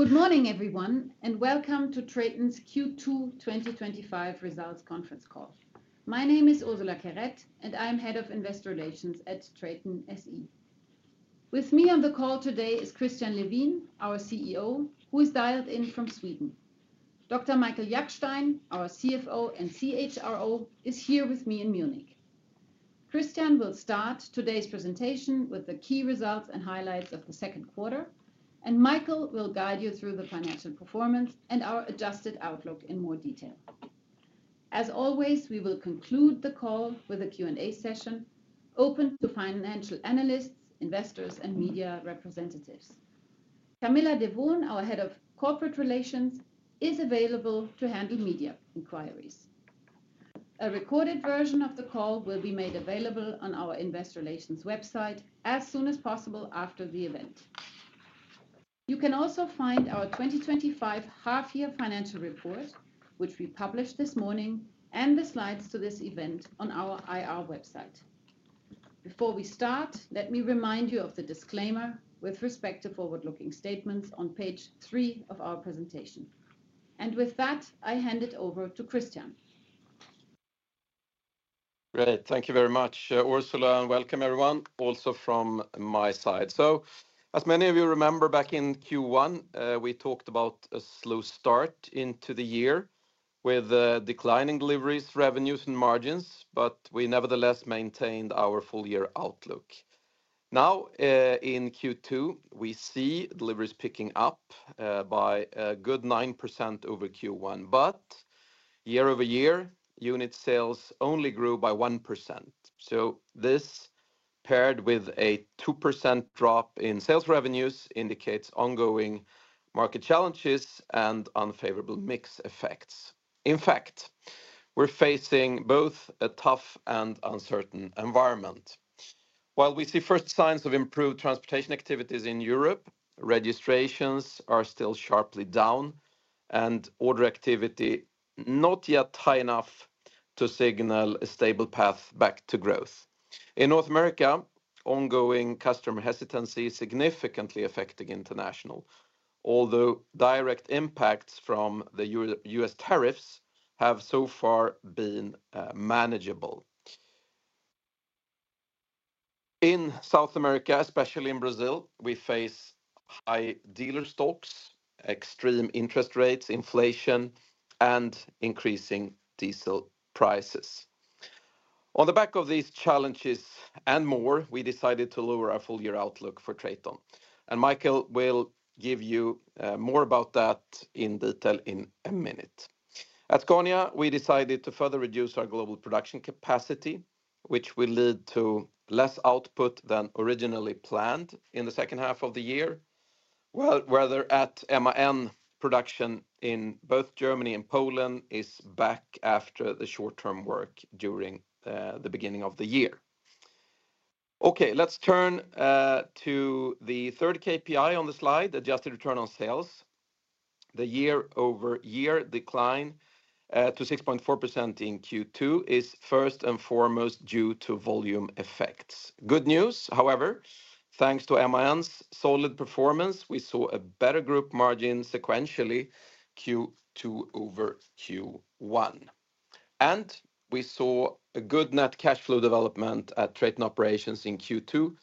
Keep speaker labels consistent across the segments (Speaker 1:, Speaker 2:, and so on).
Speaker 1: Good morning, everyone, and welcome to TRATON's Q2 2025 Results Conference Call. My name is Ursula Querette, and I'm Head of Investor Relations at TRATON SE. With me on the call today is Christian Levin, our CEO, who is dialed in from Sweden. Dr. Michael Jackstein, our CFO and CHRO, is here with me in Munich. Christian will start today's presentation with the key results and highlights of the second quarter, and Michael will guide you through the financial performance and our adjusted outlook in more detail. As always, we will conclude the call with a Q&A session open to financial analysts, investors, and media representatives. Camilla de Wohnsau, our Head of Corporate Relations, is available to handle media inquiries. A recorded version of the call will be made available on our investor relations website as soon as possible after the event. You can also find our 2025 half-year financial report, which we published this morning, and the slides to this event on our IR website. Before we start, let me remind you of the disclaimer with respect to forward-looking statements on page three of our presentation. With that, I hand it over to Christian.
Speaker 2: Great. Thank you very much, Ursula, and welcome, everyone, also from my side. As many of you remember, back in Q1, we talked about a slow start into the year with declining deliveries, revenues, and margins, but we nevertheless maintained our full-year outlook. Now, in Q2, we see deliveries picking up by a good 9% over Q1, but year-over-year unit sales only grew by 1%. This, paired with a 2% drop in sales revenues, indicates ongoing market challenges and unfavorable mix effects. In fact, we're facing both a tough and uncertain environment. While we see first signs of improved transportation activities in Europe, registrations are still sharply down. Order activity is not yet high enough to signal a stable path back to growth. In North America, ongoing customer hesitancy is significantly affecting International, although direct impacts from the U.S. tariffs have so far been manageable. In South America, especially in Brazil, we face high dealer stocks, extreme interest rates, inflation, and increasing diesel prices. On the back of these challenges and more, we decided to lower our full-year outlook for TRATON. Michael will give you more about that in detail in a minute. At Konya, we decided to further reduce our global production capacity, which will lead to less output than originally planned in the second half of the year. Whereas MAN production in both Germany and Poland is back after the short-time work during the beginning of the year. Let's turn to the third KPI on the slide, adjusted return on sales. The year-over-year decline to 6.4% in Q2 is first and foremost due to volume effects. Good news, however, thanks to MAN's solid performance, we saw a better group margin sequentially Q2 over Q1. We saw a good net cash flow development at TRATON Operations in Q2,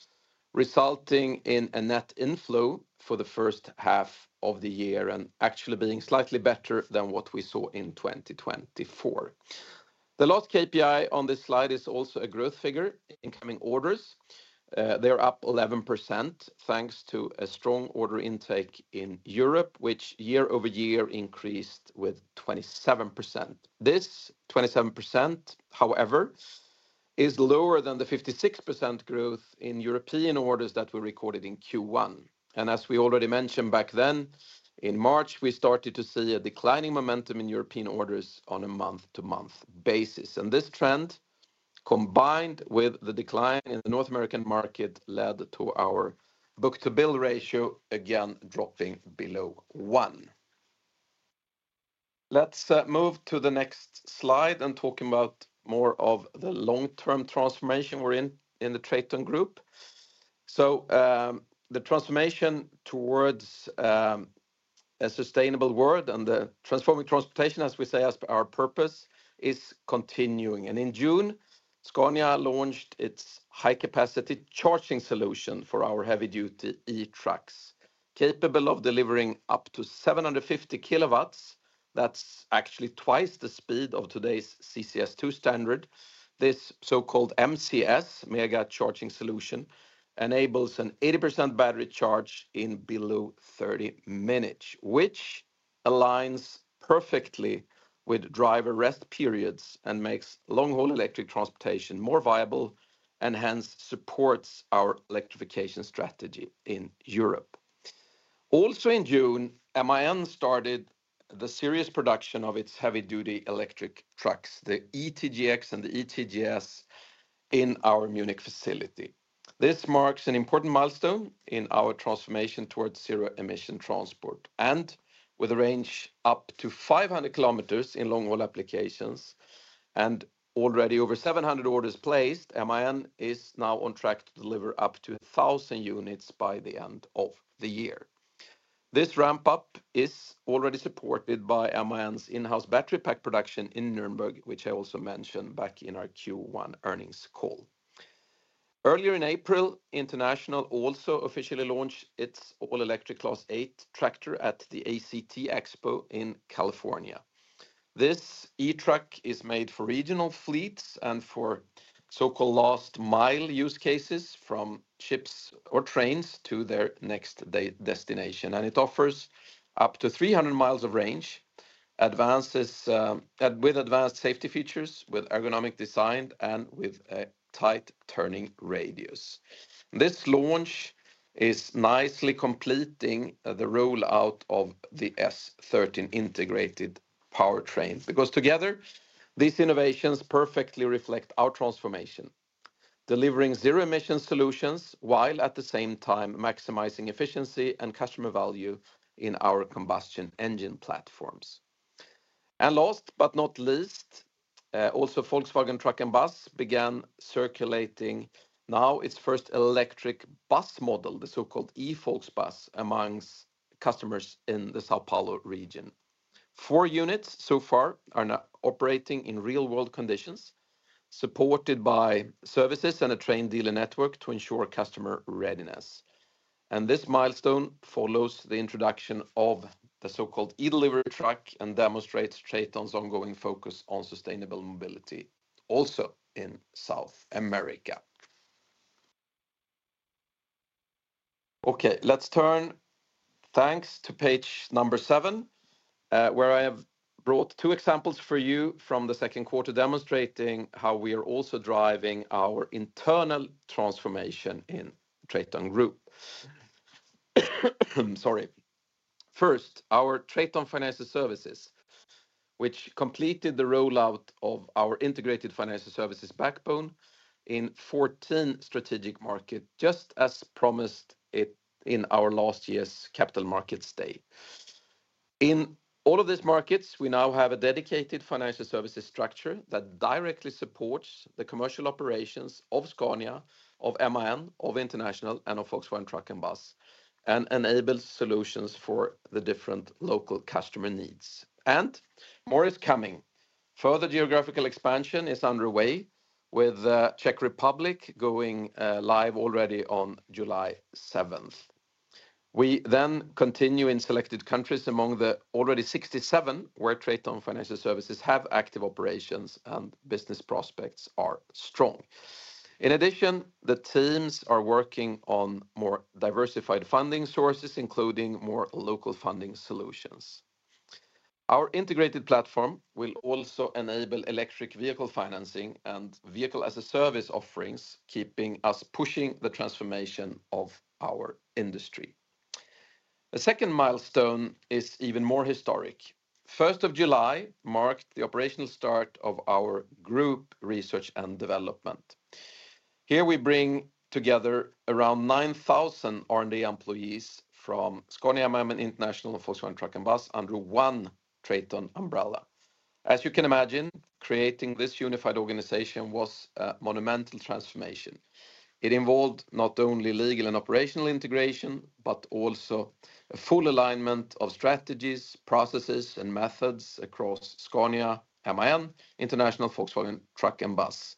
Speaker 2: resulting in a net inflow for the first half of the year and actually being slightly better than what we saw in 2024. The last KPI on this slide is also a growth figure in incoming orders. They are up 11% thanks to a strong order intake in Europe, which year-over-year increased with 27%. This 27%, however, is lower than the 56% growth in European orders that were recorded in Q1. As we already mentioned back then, in March, we started to see a declining momentum in European orders on a month-to-month basis. This trend, combined with the decline in the North American market, led to our book-to-bill ratio again dropping below one. Let's move to the next slide and talk about more of the long-term transformation we're in in the TRATON Group. The transformation towards a sustainable world and the transforming transportation, as we say, as our purpose is continuing. In June, Scania launched its high-capacity charging solution for our heavy-duty electric trucks, capable of delivering up to 750 kilowatts. That's actually twice the speed of today's CCS2 standard. This so-called MCS, Mega Charging Solution, enables an 80% battery charge in below 30 minutes, which aligns perfectly with driver rest periods and makes long-haul electric transportation more viable and hence supports our electrification strategy in Europe. Also in June, MAN started the series production of its heavy-duty electric trucks, the ETGX and the ETGS, in our Munich facility. This marks an important milestone in our transformation towards zero-emission transport. With a range up to 500 kilometers in long-haul applications and already over 700 orders placed, MAN is now on track to deliver up to 1,000 units by the end of the year. This ramp-up is already supported by MAN's in-house battery pack production in Nürnberg, which I also mentioned back in our Q1 Earnings Call. Earlier in April, International also officially launched its all-electric Class 8 tractor at the ACT Expo in California. This E-truck is made for regional fleets and for so-called last-mile use cases from ships or trains to their next destination. It offers up to 300 miles of range, with advanced safety features, with ergonomic design, and with a tight turning radius. This launch is nicely completing the rollout of the S13 integrated powertrain because together, these innovations perfectly reflect our transformation, delivering zero-emission solutions while at the same time maximizing efficiency and customer value in our combustion engine platforms. Last but not least, Volkswagen Truck & Bus began circulating now its first electric bus model, the so-called e-Volksbus, amongst customers in the São Paulo region. Four units so far are operating in real-world conditions, supported by services and a trained dealer network to ensure customer readiness. This milestone follows the introduction of the so-called eDelivery truck and demonstrates TRATON's ongoing focus on sustainable mobility also in South America. Okay, let's turn to page number seven, where I have brought two examples for you from the second quarter demonstrating how we are also driving our internal transformation in TRATON Group. First, our TRATON Financial Services, which completed the rollout of our integrated financial services backbone in 14 strategic markets, just as promised in our last year's capital markets day. In all of these markets, we now have a dedicated financial services structure that directly supports the commercial operations of Scania, of MAN, of International, and of Volkswagen Truck & Bus, and enables solutions for the different local customer needs. More is coming. Further geographical expansion is underway, with the Czech Republic going live already on July 7. We then continue in selected countries among the already 67 where TRATON Financial Services have active operations and business prospects are strong. In addition, the teams are working on more diversified funding sources, including more local funding solutions. Our integrated platform will also enable electric vehicle financing and vehicle-as-a-service offerings, keeping us pushing the transformation of our industry. The second milestone is even more historic. July 1 marked the operational start of our group research and development. Here we bring together around 9,000 R&D employees from Scania, MAN, International, and Volkswagen Truck & Bus under one TRATON umbrella. As you can imagine, creating this unified organization was a monumental transformation. It involved not only legal and operational integration, but also a full alignment of strategies, processes, and methods across Scania, MAN, International, Volkswagen Truck & Bus.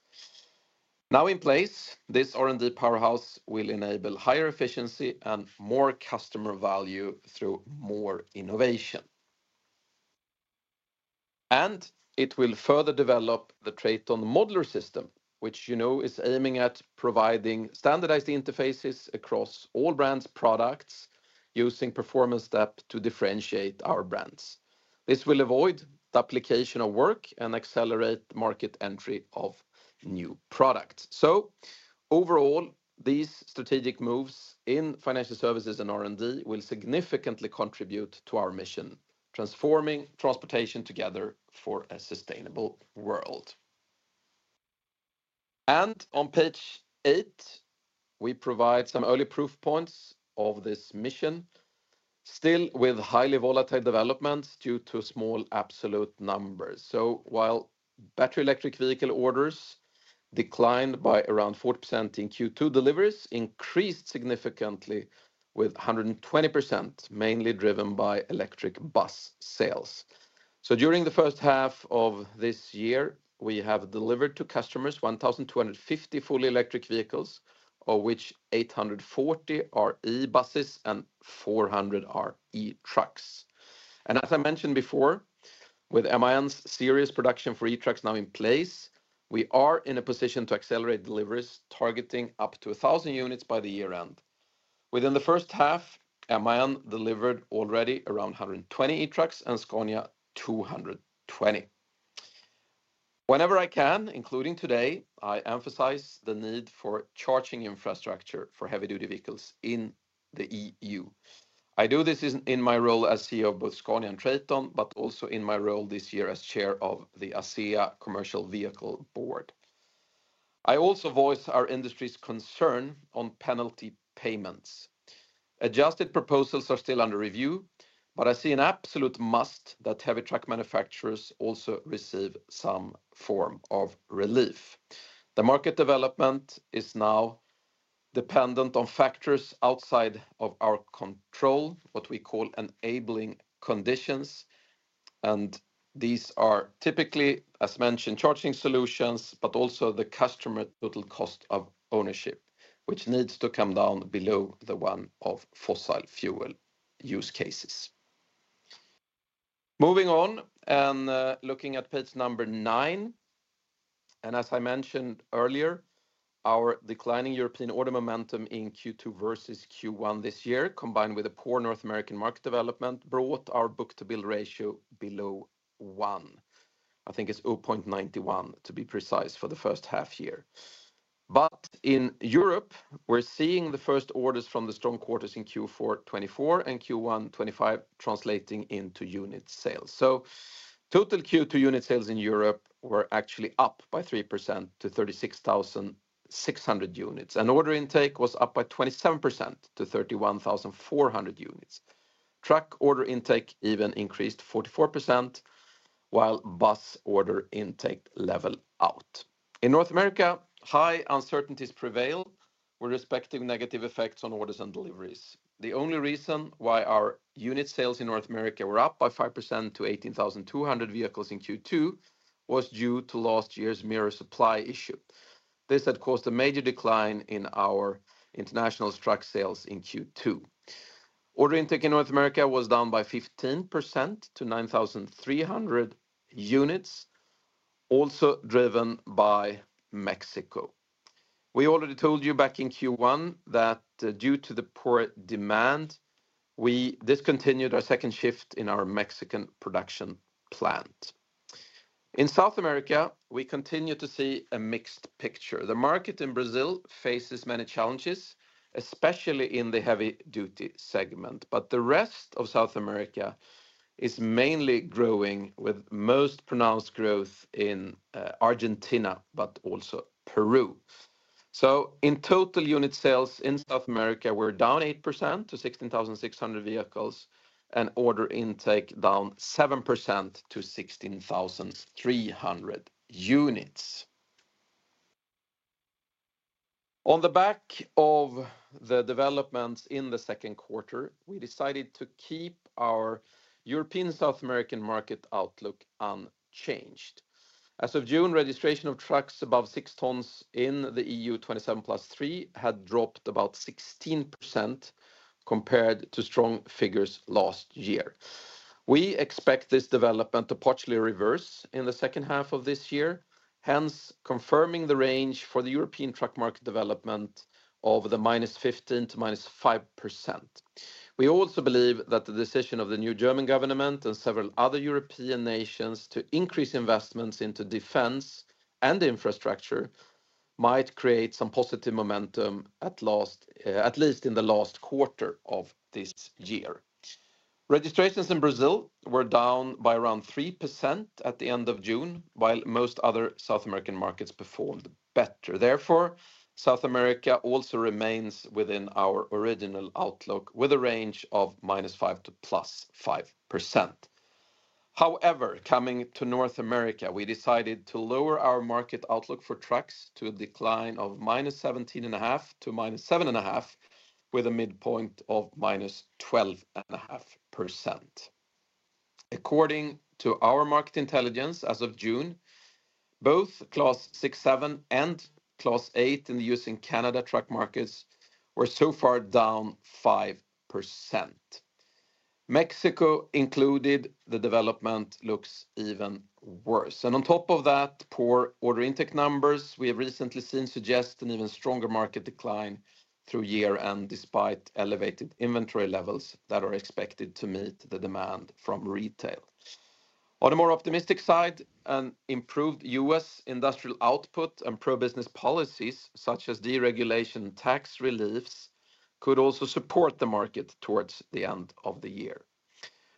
Speaker 2: Now in place, this R&D powerhouse will enable higher efficiency and more customer value through more innovation. It will further develop the TRATON modular system, which you know is aiming at providing standardized interfaces across all brands' products using Performance App to differentiate our brands. This will avoid duplication of work and accelerate market entry of new products. Overall, these strategic moves in financial services and R&D will significantly contribute to our mission, transforming transportation together for a sustainable world. On page eight, we provide some early proof points of this mission. Still with highly volatile developments due to small absolute numbers. While battery electric vehicle orders declined by around 4% in Q2, deliveries increased significantly with 120%, mainly driven by electric bus sales. During the first half of this year, we have delivered to customers 1,250 fully electric vehicles, of which 840 are e-buses and 400 are e-trucks. As I mentioned before, with MAN's series production for e-trucks now in place, we are in a position to accelerate deliveries targeting up to 1,000 units by the year-end. Within the first half, MAN delivered already around 120 e-trucks and Scania 220. Whenever I can, including today, I emphasize the need for charging infrastructure for heavy-duty vehicles in the EU. I do this in my role as CEO of both Scania and TRATON, but also in my role this year as chair of the ACEA Commercial Vehicle Board. I also voice our industry's concern on penalty payments. Adjusted proposals are still under review, but I see an absolute must that heavy truck manufacturers also receive some form of relief. The market development is now dependent on factors outside of our control, what we call enabling conditions. These are typically, as mentioned, charging solutions, but also the customer total cost of ownership, which needs to come down below the one of fossil fuel use cases. Moving on and looking at page number nine. As I mentioned earlier, our declining European order momentum in Q2 versus Q1 this year, combined with a poor North American market development, brought our book-to-bill ratio below one. I think it is 0.91, to be precise, for the first half year. In Europe, we are seeing the first orders from the strong quarters in Q4 2024 and Q1 2025 translating into unit sales. Total Q2 unit sales in Europe were actually up by 3% to 36,600 units. Order intake was up by 27% to 31,400 units. Truck order intake even increased 44%, while bus order intake leveled out. In North America, high uncertainties prevail with respective negative effects on orders and deliveries. The only reason why our unit sales in North America were up by 5% to 18,200 vehicles in Q2 was due to last year's mirror supply issue. This had caused a major decline in our International truck sales in Q2. Order intake in North America was down by 15% to 9,300 units, also driven by Mexico. We already told you back in Q1 that due to the poor demand, we discontinued our second shift in our Mexican production plant. In South America, we continue to see a mixed picture. The market in Brazil faces many challenges, especially in the heavy-duty segment. The rest of South America is mainly growing, with most pronounced growth in Argentina, but also Peru. In total, unit sales in South America were down 8% to 16,600 vehicles and order intake down 7% to 16,300 units. On the back of the developments in the second quarter, we decided to keep our European and South American market outlook unchanged. As of June, registration of trucks above six tons in the EU 27 plus 3 had dropped about 16% compared to strong figures last year. We expect this development to partially reverse in the second half of this year, hence confirming the range for the European truck market development of -15% to -5%. We also believe that the decision of the new German government and several other European nations to increase investments into defense and infrastructure might create some positive momentum at least in the last quarter of this year. Registrations in Brazil were down by around 3% at the end of June, while most other South American markets performed better. Therefore, South America also remains within our original outlook with a range of -5% to +5%. However, coming to North America, we decided to lower our market outlook for trucks to a decline of -17.5% to -7.5%, with a midpoint of -12.5%. According to our market intelligence as of June, both Class 6-7 and Class 8 in the U.S. and Canada truck markets were so far down 5%. Mexico included, the development looks even worse. On top of that, poor order intake numbers we have recently seen suggest an even stronger market decline through year-end despite elevated inventory levels that are expected to meet the demand from retail. On a more optimistic side, an improved U.S. industrial output and pro-business policies such as deregulation and tax reliefs could also support the market towards the end of the year.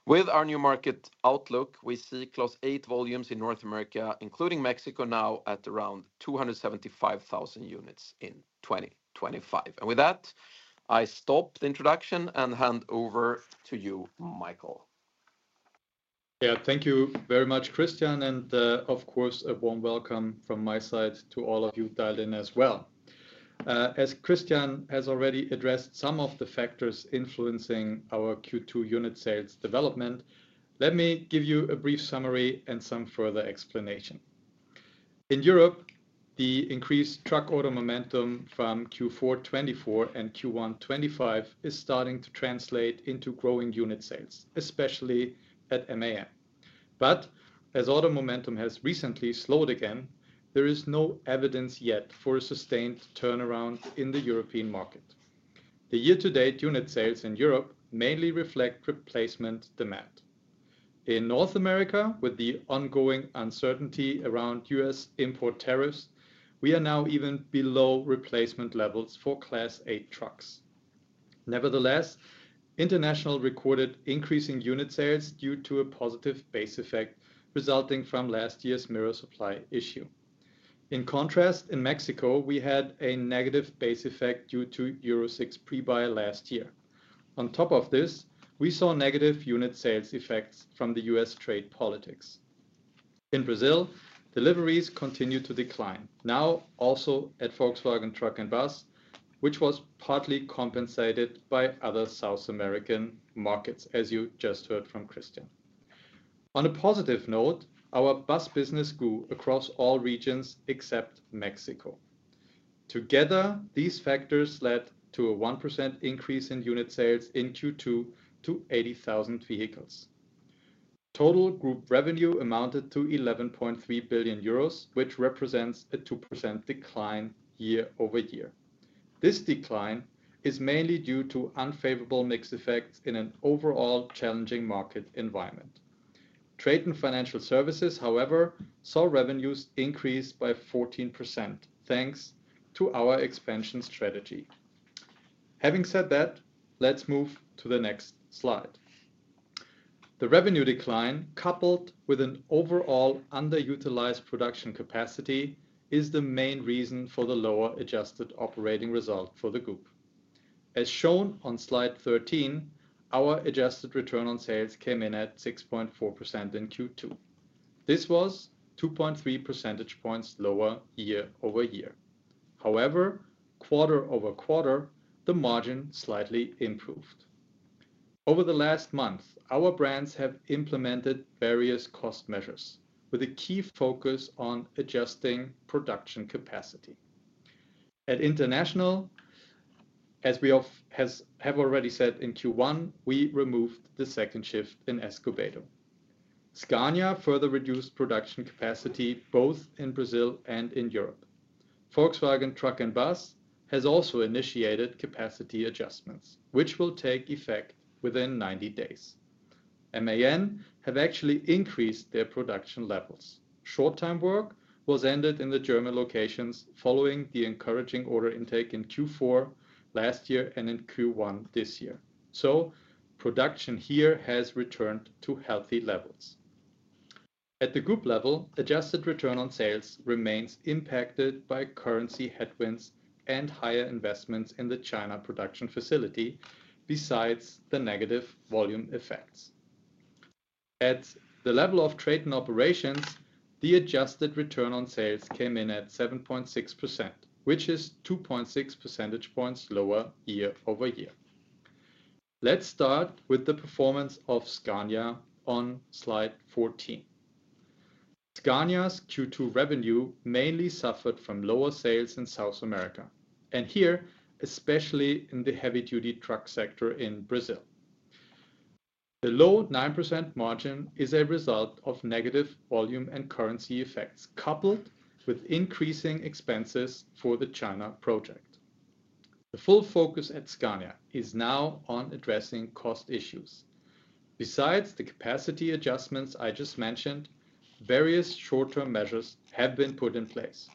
Speaker 2: With our new market outlook, we see Class 8 volumes in North America, including Mexico, now at around 275,000 units in 2025. With that, I stop the introduction and hand over to you, Michael.
Speaker 3: Yeah, thank you very much, Christian. And of course, a warm welcome from my side to all of you dialed in as well. As Christian has already addressed some of the factors influencing our Q2 unit sales development, let me give you a brief summary and some further explanation. In Europe, the increased truck order momentum from Q4 2024 and Q1 2025 is starting to translate into growing unit sales, especially at MAN. As order momentum has recently slowed again, there is no evidence yet for a sustained turnaround in the European market. The year-to-date unit sales in Europe mainly reflect replacement demand. In North America, with the ongoing uncertainty around U.S. import tariffs, we are now even below replacement levels for Class 8 trucks. Nevertheless, International recorded increasing unit sales due to a positive base effect resulting from last year's mirror supply issue. In contrast, in Mexico, we had a negative base effect due to Euro 6 pre-buy last year. On top of this, we saw negative unit sales effects from the U.S. trade politics. In Brazil, deliveries continued to decline, now also at Volkswagen Truck & Bus, which was partly compensated by other South American markets, as you just heard from Christian. On a positive note, our bus business grew across all regions except Mexico. Together, these factors led to a 1% increase in unit sales in Q2 to 80,000 vehicles. Total group revenue amounted to 11.3 billion euros, which represents a 2% decline year over year. This decline is mainly due to unfavorable mixed effects in an overall challenging market environment. TRATON Financial Services, however, saw revenues increase by 14% thanks to our expansion strategy. Having said that, let's move to the next slide. The revenue decline, coupled with an overall underutilized production capacity, is the main reason for the lower adjusted operating result for the group. As shown on slide 13, our adjusted return on sales came in at 6.4% in Q2. This was 2.3 percentage points lower year over year. However, quarter over quarter, the margin slightly improved. Over the last month, our brands have implemented various cost measures with a key focus on adjusting production capacity. At International, as we have already said in Q1, we removed the second shift in Escobedo. Scania further reduced production capacity both in Brazil and in Europe. Volkswagen Truck & Bus has also initiated capacity adjustments, which will take effect within 90 days. MAN have actually increased their production levels. Short-time work was ended in the German locations following the encouraging order intake in Q4 last year and in Q1 this year. Production here has returned to healthy levels. At the group level, adjusted return on sales remains impacted by currency headwinds and higher investments in the China production facility besides the negative volume effects. At the level of TRATON Operations, the adjusted return on sales came in at 7.6%, which is 2.6 percentage points lower year over year. Let's start with the performance of Scania on slide 14. Scania's Q2 revenue mainly suffered from lower sales in South America, and here especially in the heavy-duty truck sector in Brazil. The low 9% margin is a result of negative volume and currency effects coupled with increasing expenses for the China project. The full focus at Scania is now on addressing cost issues. Besides the capacity adjustments I just mentioned, various short-term measures have been put in place.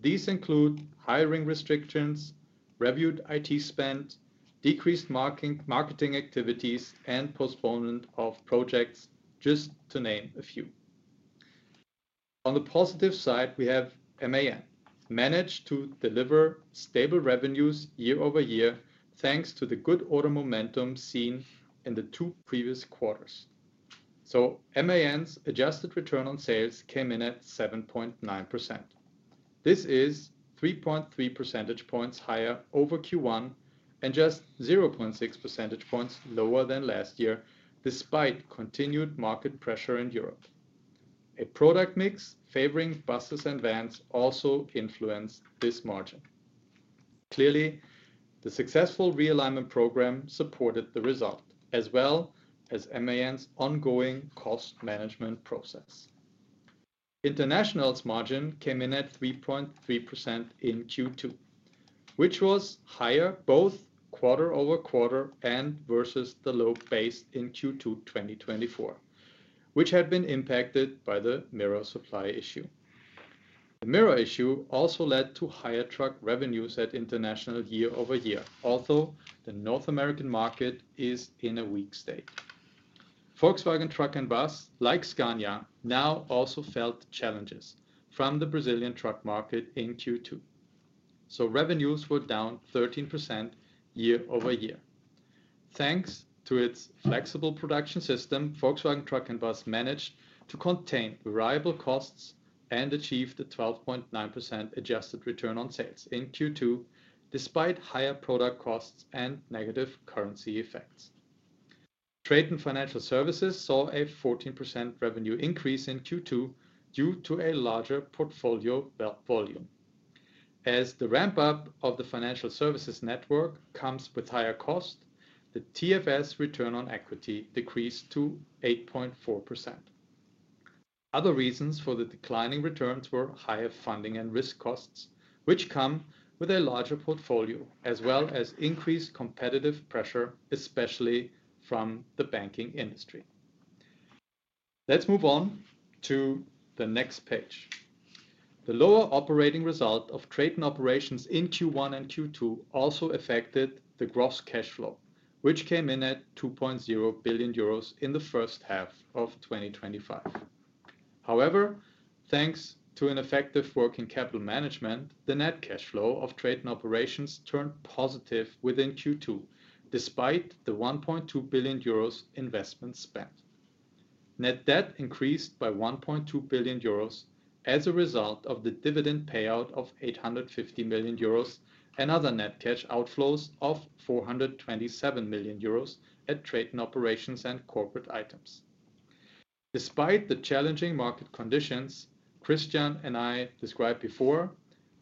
Speaker 3: These include hiring restrictions, reviewed IT spend, decreased marketing activities, and postponement of projects, just to name a few. On the positive side, we have MAN managed to deliver stable revenues year over year thanks to the good order momentum seen in the two previous quarters. So MAN's adjusted return on sales came in at 7.9%. This is 3.3 percentage points higher over Q1 and just 0.6 percentage points lower than last year despite continued market pressure in Europe. A product mix favoring buses and vans also influenced this margin. Clearly, the successful realignment program supported the result, as well as MAN's ongoing cost management process. International's margin came in at 3.3% in Q2, which was higher both quarter over quarter and versus the low base in Q2 2024, which had been impacted by the mirror supply issue. The mirror issue also led to higher truck revenues at International year over year, although the North American market is in a weak state. Volkswagen Truck & Bus, like Scania, now also felt challenges from the Brazilian truck market in Q2. So revenues were down 13% year over year. Thanks to its flexible production system, Volkswagen Truck & Bus managed to contain variable costs and achieve the 12.9% adjusted return on sales in Q2 despite higher product costs and negative currency effects. TRATON Financial Services saw a 14% revenue increase in Q2 due to a larger portfolio volume. As the ramp-up of the financial services network comes with higher costs, the TFS return on equity decreased to 8.4%. Other reasons for the declining returns were higher funding and risk costs, which come with a larger portfolio, as well as increased competitive pressure, especially from the banking industry. Let's move on to the next page. The lower operating result of TRATON Operations in Q1 and Q2 also affected the gross cash flow, which came in at 2.0 billion euros in the first half of 2025. However, thanks to an effective working capital management, the net cash flow of TRATON Operations turned positive within Q2 despite the 1.2 billion euros investment spent. Net debt increased by 1.2 billion euros as a result of the dividend payout of 850 million euros and other net cash outflows of 427 million euros at TRATON Operations and corporate items. Despite the challenging market conditions Christian and I described before,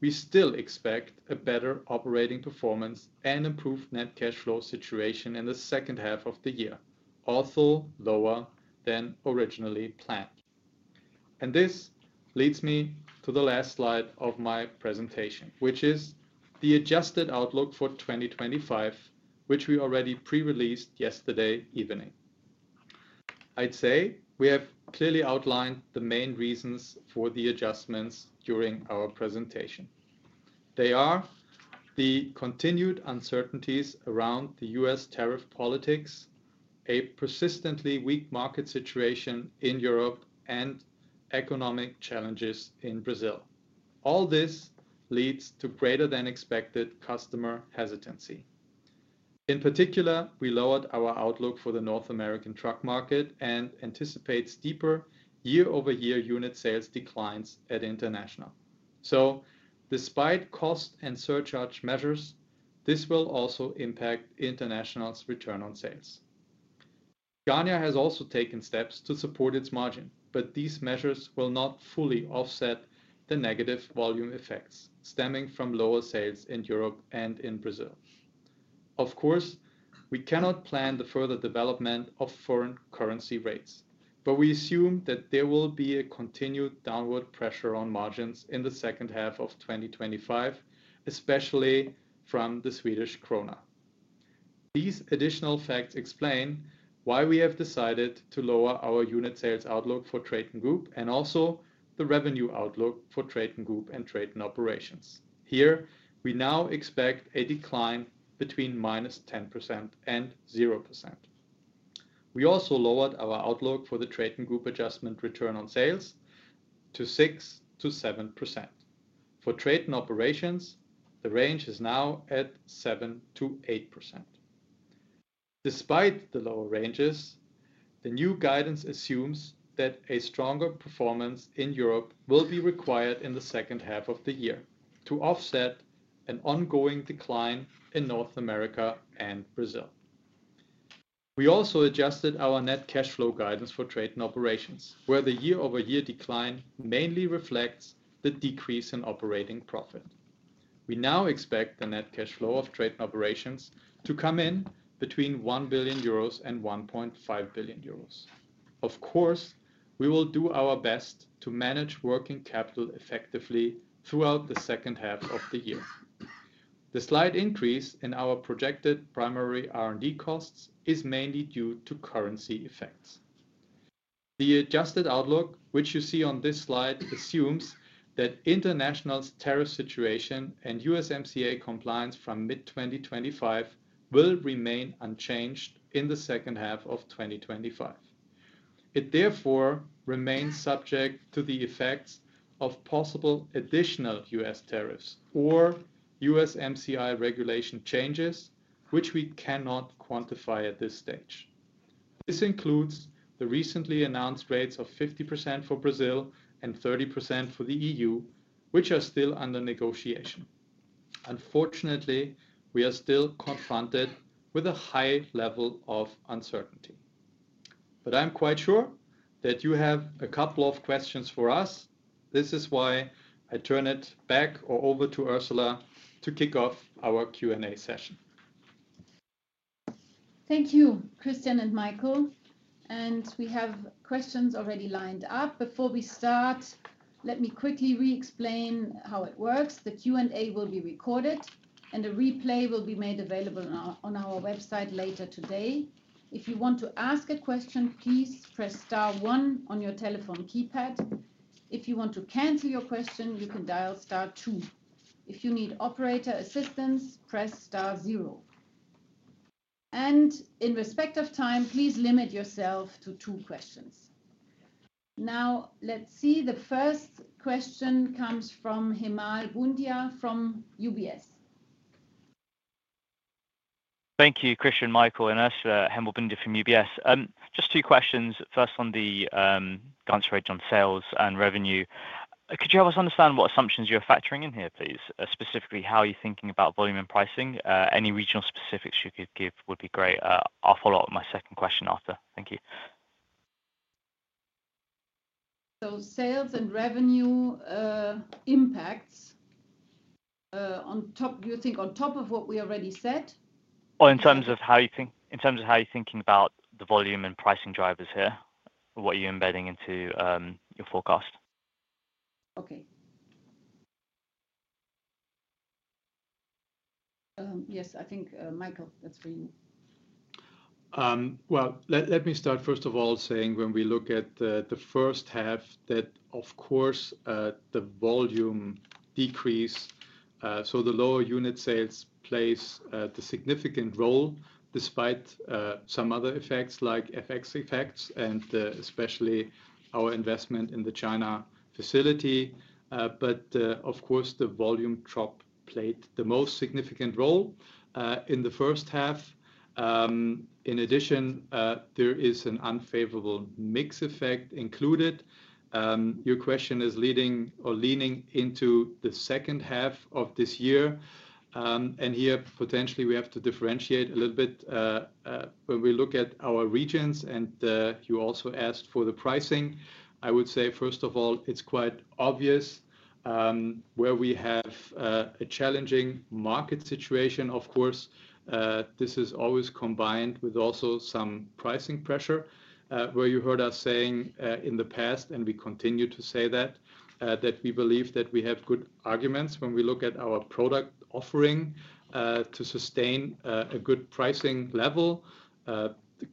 Speaker 3: we still expect a better operating performance and improved net cash flow situation in the second half of the year, although lower than originally planned. This leads me to the last slide of my presentation, which is the adjusted outlook for 2025, which we already pre-released yesterday evening. I'd say we have clearly outlined the main reasons for the adjustments during our presentation. They are the continued uncertainties around the U.S. tariff politics, a persistently weak market situation in Europe, and economic challenges in Brazil. All this leads to greater than expected customer hesitancy. In particular, we lowered our outlook for the North American truck market and anticipate deeper year-over-year unit sales declines at International. Despite cost and surcharge measures, this will also impact International's return on sales. Scania has also taken steps to support its margin, but these measures will not fully offset the negative volume effects stemming from lower sales in Europe and in Brazil. Of course, we cannot plan the further development of foreign currency rates, but we assume that there will be a continued downward pressure on margins in the second half of 2025, especially from the Swedish krona. These additional facts explain why we have decided to lower our unit sales outlook for TRATON Group and also the revenue outlook for TRATON Group and TRATON Operations. Here, we now expect a decline between -10% and 0%. We also lowered our outlook for the TRATON Group adjusted return on sales to 6%-7%. For TRATON Operations, the range is now at 7%-8%. Despite the lower ranges, the new guidance assumes that a stronger performance in Europe will be required in the second half of the year to offset an ongoing decline in North America and Brazil. We also adjusted our net cash flow guidance for TRATON Operations, where the year-over-year decline mainly reflects the decrease in operating profit. We now expect the net cash flow of TRATON Operations to come in between 1 billion euros and 1.5 billion euros. Of course, we will do our best to manage working capital effectively throughout the second half of the year. The slight increase in our projected primary R&D costs is mainly due to currency effects. The adjusted outlook, which you see on this slide, assumes that International's tariff situation and USMCA compliance from mid-2025 will remain unchanged in the second half of 2025. It therefore remains subject to the effects of possible additional U.S. tariffs or USMCA regulation changes, which we cannot quantify at this stage. This includes the recently announced rates of 50% for Brazil and 30% for the EU, which are still under negotiation. Unfortunately, we are still confronted with a high level of uncertainty. I'm quite sure that you have a couple of questions for us. This is why I turn it back over to Ursula to kick off our Q&A session.
Speaker 1: Thank you, Christian and Michael. We have questions already lined up. Before we start, let me quickly re-explain how it works. The Q&A will be recorded, and a replay will be made available on our website later today. If you want to ask a question, please press Star one on your telephone keypad. If you want to cancel your question, you can dial Star two. If you need operator assistance, press Star zero. In respect of time, please limit yourself to two questions. Now, let's see. The first question comes from Hemal Bhundia from UBS.
Speaker 4: Thank you, Christian, Michael, and Ursula. Hemal Bhundia from UBS. Just two questions. First, on the answer range on sales and revenue. Could you help us understand what assumptions you're factoring in here, please? Specifically, how are you thinking about volume and pricing? Any regional specifics you could give would be great. I'll follow up on my second question after. Thank you.
Speaker 1: Sales and revenue impacts. You think on top of what we already said?
Speaker 4: Or in terms of how you think, in terms of how you're thinking about the volume and pricing drivers here, what you're embedding into your forecast?
Speaker 1: Okay. I think, Michael, that's for you.
Speaker 3: Let me start, first of all, saying when we look at the first half, that of course the volume decreased, so the lower unit sales played a significant role despite some other effects like FX effects and especially our investment in the China facility. Of course, the volume drop played the most significant role in the first half. In addition, there is an unfavorable mix effect included. Your question is leading or leaning into the second half of this year. Here, potentially, we have to differentiate a little bit. When we look at our regions, and you also asked for the pricing, I would say, first of all, it's quite obvious. Where we have a challenging market situation, this is always combined with also some pricing pressure, where you heard us saying in the past, and we continue to say that, that we believe that we have good arguments when we look at our product offering to sustain a good pricing level.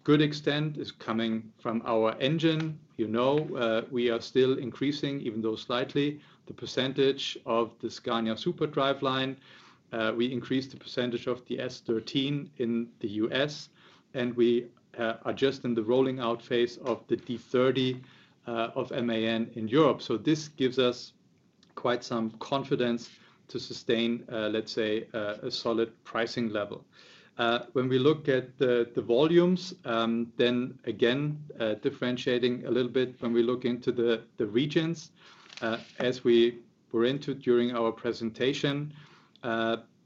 Speaker 3: Good extent is coming from our engine. We are still increasing, even though slightly, the percentage of the Scania Super Driveline. We increased the percentage of the S13 in the U.S, and we are just in the rolling out phase of the D30 of MAN in Europe. This gives us quite some confidence to sustain, let's say, a solid pricing level. When we look at the volumes, then again, differentiating a little bit when we look into the regions. As we were into during our presentation.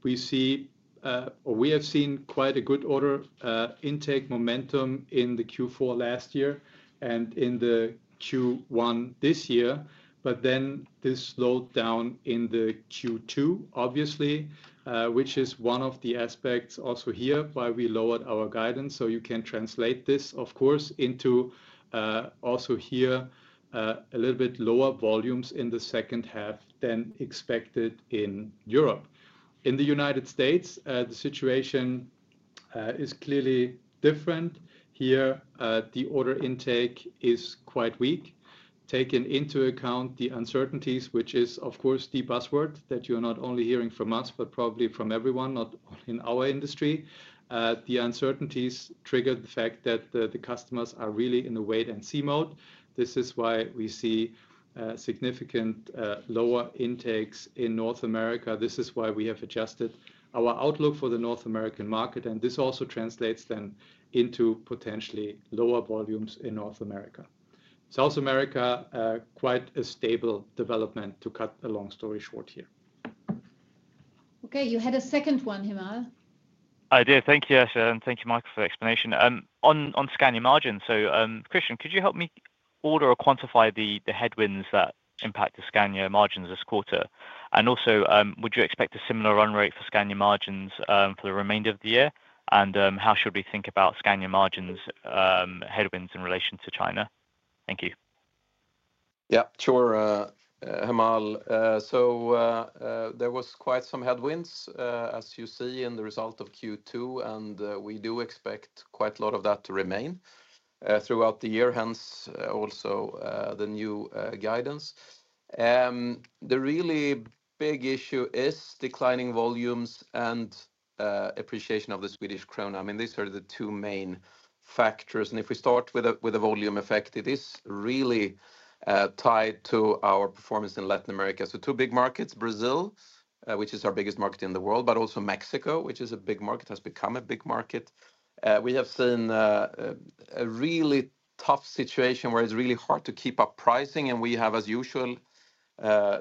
Speaker 3: We see, or we have seen, quite a good order intake momentum in the Q4 last year and in the Q1 this year, but then this slowed down in the Q2, obviously, which is one of the aspects also here why we lowered our guidance. You can translate this, of course, into also here, a little bit lower volumes in the second half than expected in Europe. In the United States, the situation is clearly different. Here, the order intake is quite weak. Taking into account the uncertainties, which is, of course, the buzzword that you're not only hearing from us, but probably from everyone, not in our industry, the uncertainties triggered the fact that the customers are really in a wait-and-see mode. This is why we see significantly lower intakes in North America. This is why we have adjusted our outlook for the North American market, and this also translates then into potentially lower volumes in North America. South America, quite a stable development to cut a long story short here.
Speaker 1: Okay, you had a second one, Hemal.
Speaker 4: I did. Thank you, Ursula, and thank you, Michael, for the explanation. On Scania margins, so Christian, could you help me order or quantify the headwinds that impacted Scania margins this quarter? And also, would you expect a similar run rate for Scania margins for the remainder of the year? And how should we think about Scania margins. Headwinds in relation to China? Thank you.
Speaker 2: Yeah, sure. Hemal, so. There was quite some headwinds, as you see, in the result of Q2, and we do expect quite a lot of that to remain throughout the year, hence also the new guidance. The really big issue is declining volumes and. Appreciation of the Swedish krona. I mean, these are the two main factors. If we start with a volume effect, it is really. Tied to our performance in Latin America. Two big markets, Brazil, which is our biggest market in the world, but also Mexico, which is a big market, has become a big market. We have seen. A really tough situation where it's really hard to keep up pricing, and we have, as usual.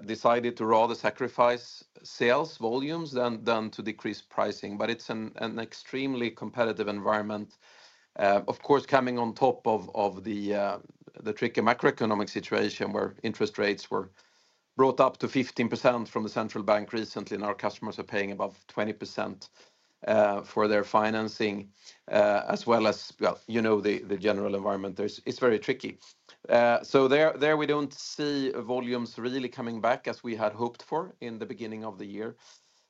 Speaker 2: Decided to rather sacrifice sales volumes than to decrease pricing. It's an extremely competitive environment. Of course, coming on top of the. Tricky macroeconomic situation where interest rates were brought up to 15% from the central bank recently, and our customers are paying above 20% for their financing, as well as the general environment. It's very tricky. There, we don't see volumes really coming back as we had hoped for in the beginning of the year.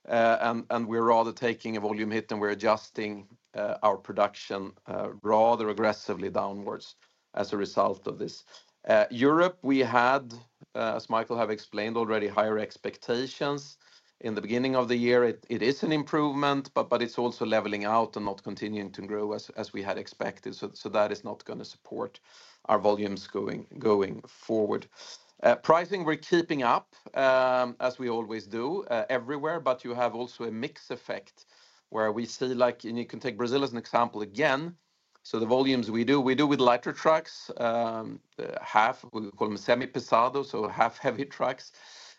Speaker 2: We're rather taking a volume hit, and we're adjusting our production rather aggressively downwards as a result of this. Europe, we had. As Michael has explained already, higher expectations in the beginning of the year. It is an improvement, but it's also leveling out and not continuing to grow as we had expected. That is not going to support our volumes going forward. Pricing, we're keeping up. As we always do, everywhere, but you have also a mixed effect where we see, and you can take Brazil as an example again. The volumes we do, we do with lighter trucks. Half, we call them semi-pesados, so half-heavy trucks.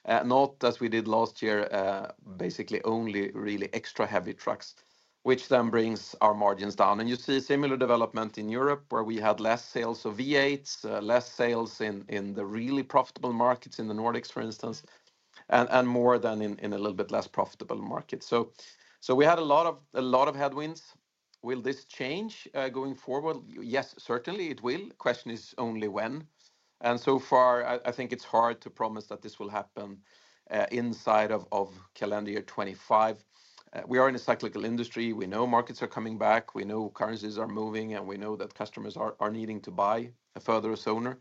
Speaker 2: Not as we did last year, basically only really extra heavy trucks, which then brings our margins down. You see similar development in Europe where we had less sales of V8s, less sales in the really profitable markets in the Nordics, for instance, and more in a little bit less profitable markets. We had a lot of headwinds. Will this change going forward? Yes, certainly it will. The question is only when. So far, I think it's hard to promise that this will happen inside of calendar year 2025. We are in a cyclical industry. We know markets are coming back. We know currencies are moving, and we know that customers are needing to buy a further zoner.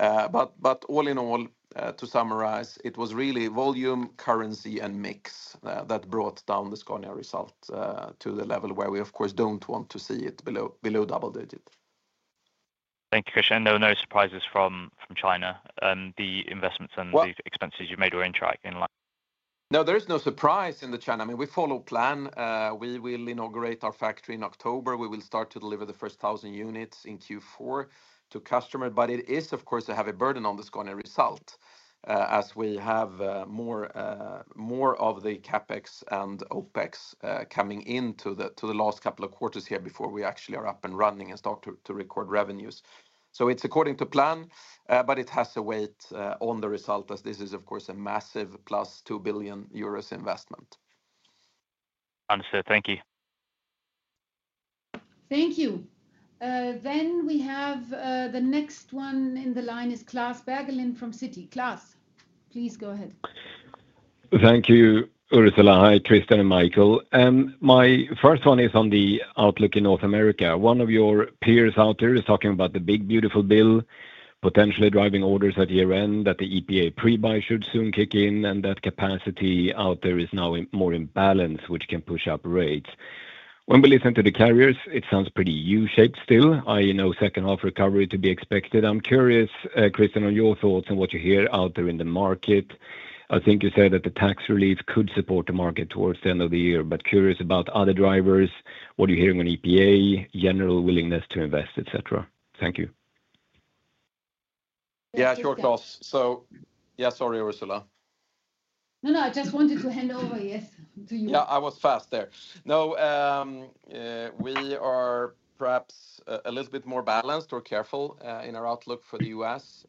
Speaker 2: All in all, to summarize, it was really volume, currency, and mix that brought down the Scania result to the level where we, of course, do not want to see it below double digit.
Speaker 4: Thank you, Christian. No surprises from China. The investments and the expenses you've made were in track.
Speaker 2: No, there is no surprise in China. I mean, we follow plan. We will inaugurate our factory in October. We will start to deliver the first 1,000 units in Q4 to customers. It is, of course, a heavy burden on the Scania result as we have more of the CapEx and OpEx coming into the last couple of quarters here before we actually are up and running and start to record revenues. It is according to plan, but it has a weight on the result, as this is, of course, a massive 2 billion euros investment.
Speaker 4: Understood. Thank you.
Speaker 1: Thank you. The next one in the line is Klas Bergelind from Citi. Klas, please go ahead.
Speaker 5: Thank you, Ursula, hi, Christian and Michael. My first one is on the outlook in North America. One of your peers out there is talking about the big, beautiful bill potentially driving orders at year-end, that the EPA pre-buy should soon kick in, and that capacity out there is now more in balance, which can push up rates. When we listen to the carriers, it sounds pretty U-shaped still. I know second half recovery to be expected. I'm curious, Christian, on your thoughts and what you hear out there in the market. I think you said that the tax relief could support the market towards the end of the year, but curious about other drivers, what are you hearing on EPA, general willingness to invest, etc.Thank you.
Speaker 2: Yeah, sure, Klas. Yeah, sorry, Ursula.
Speaker 1: No, no, I just wanted to hand over, yes, to you.
Speaker 2: Yeah, I was fast there. No. We are perhaps a little bit more balanced or careful in our outlook for the U.S.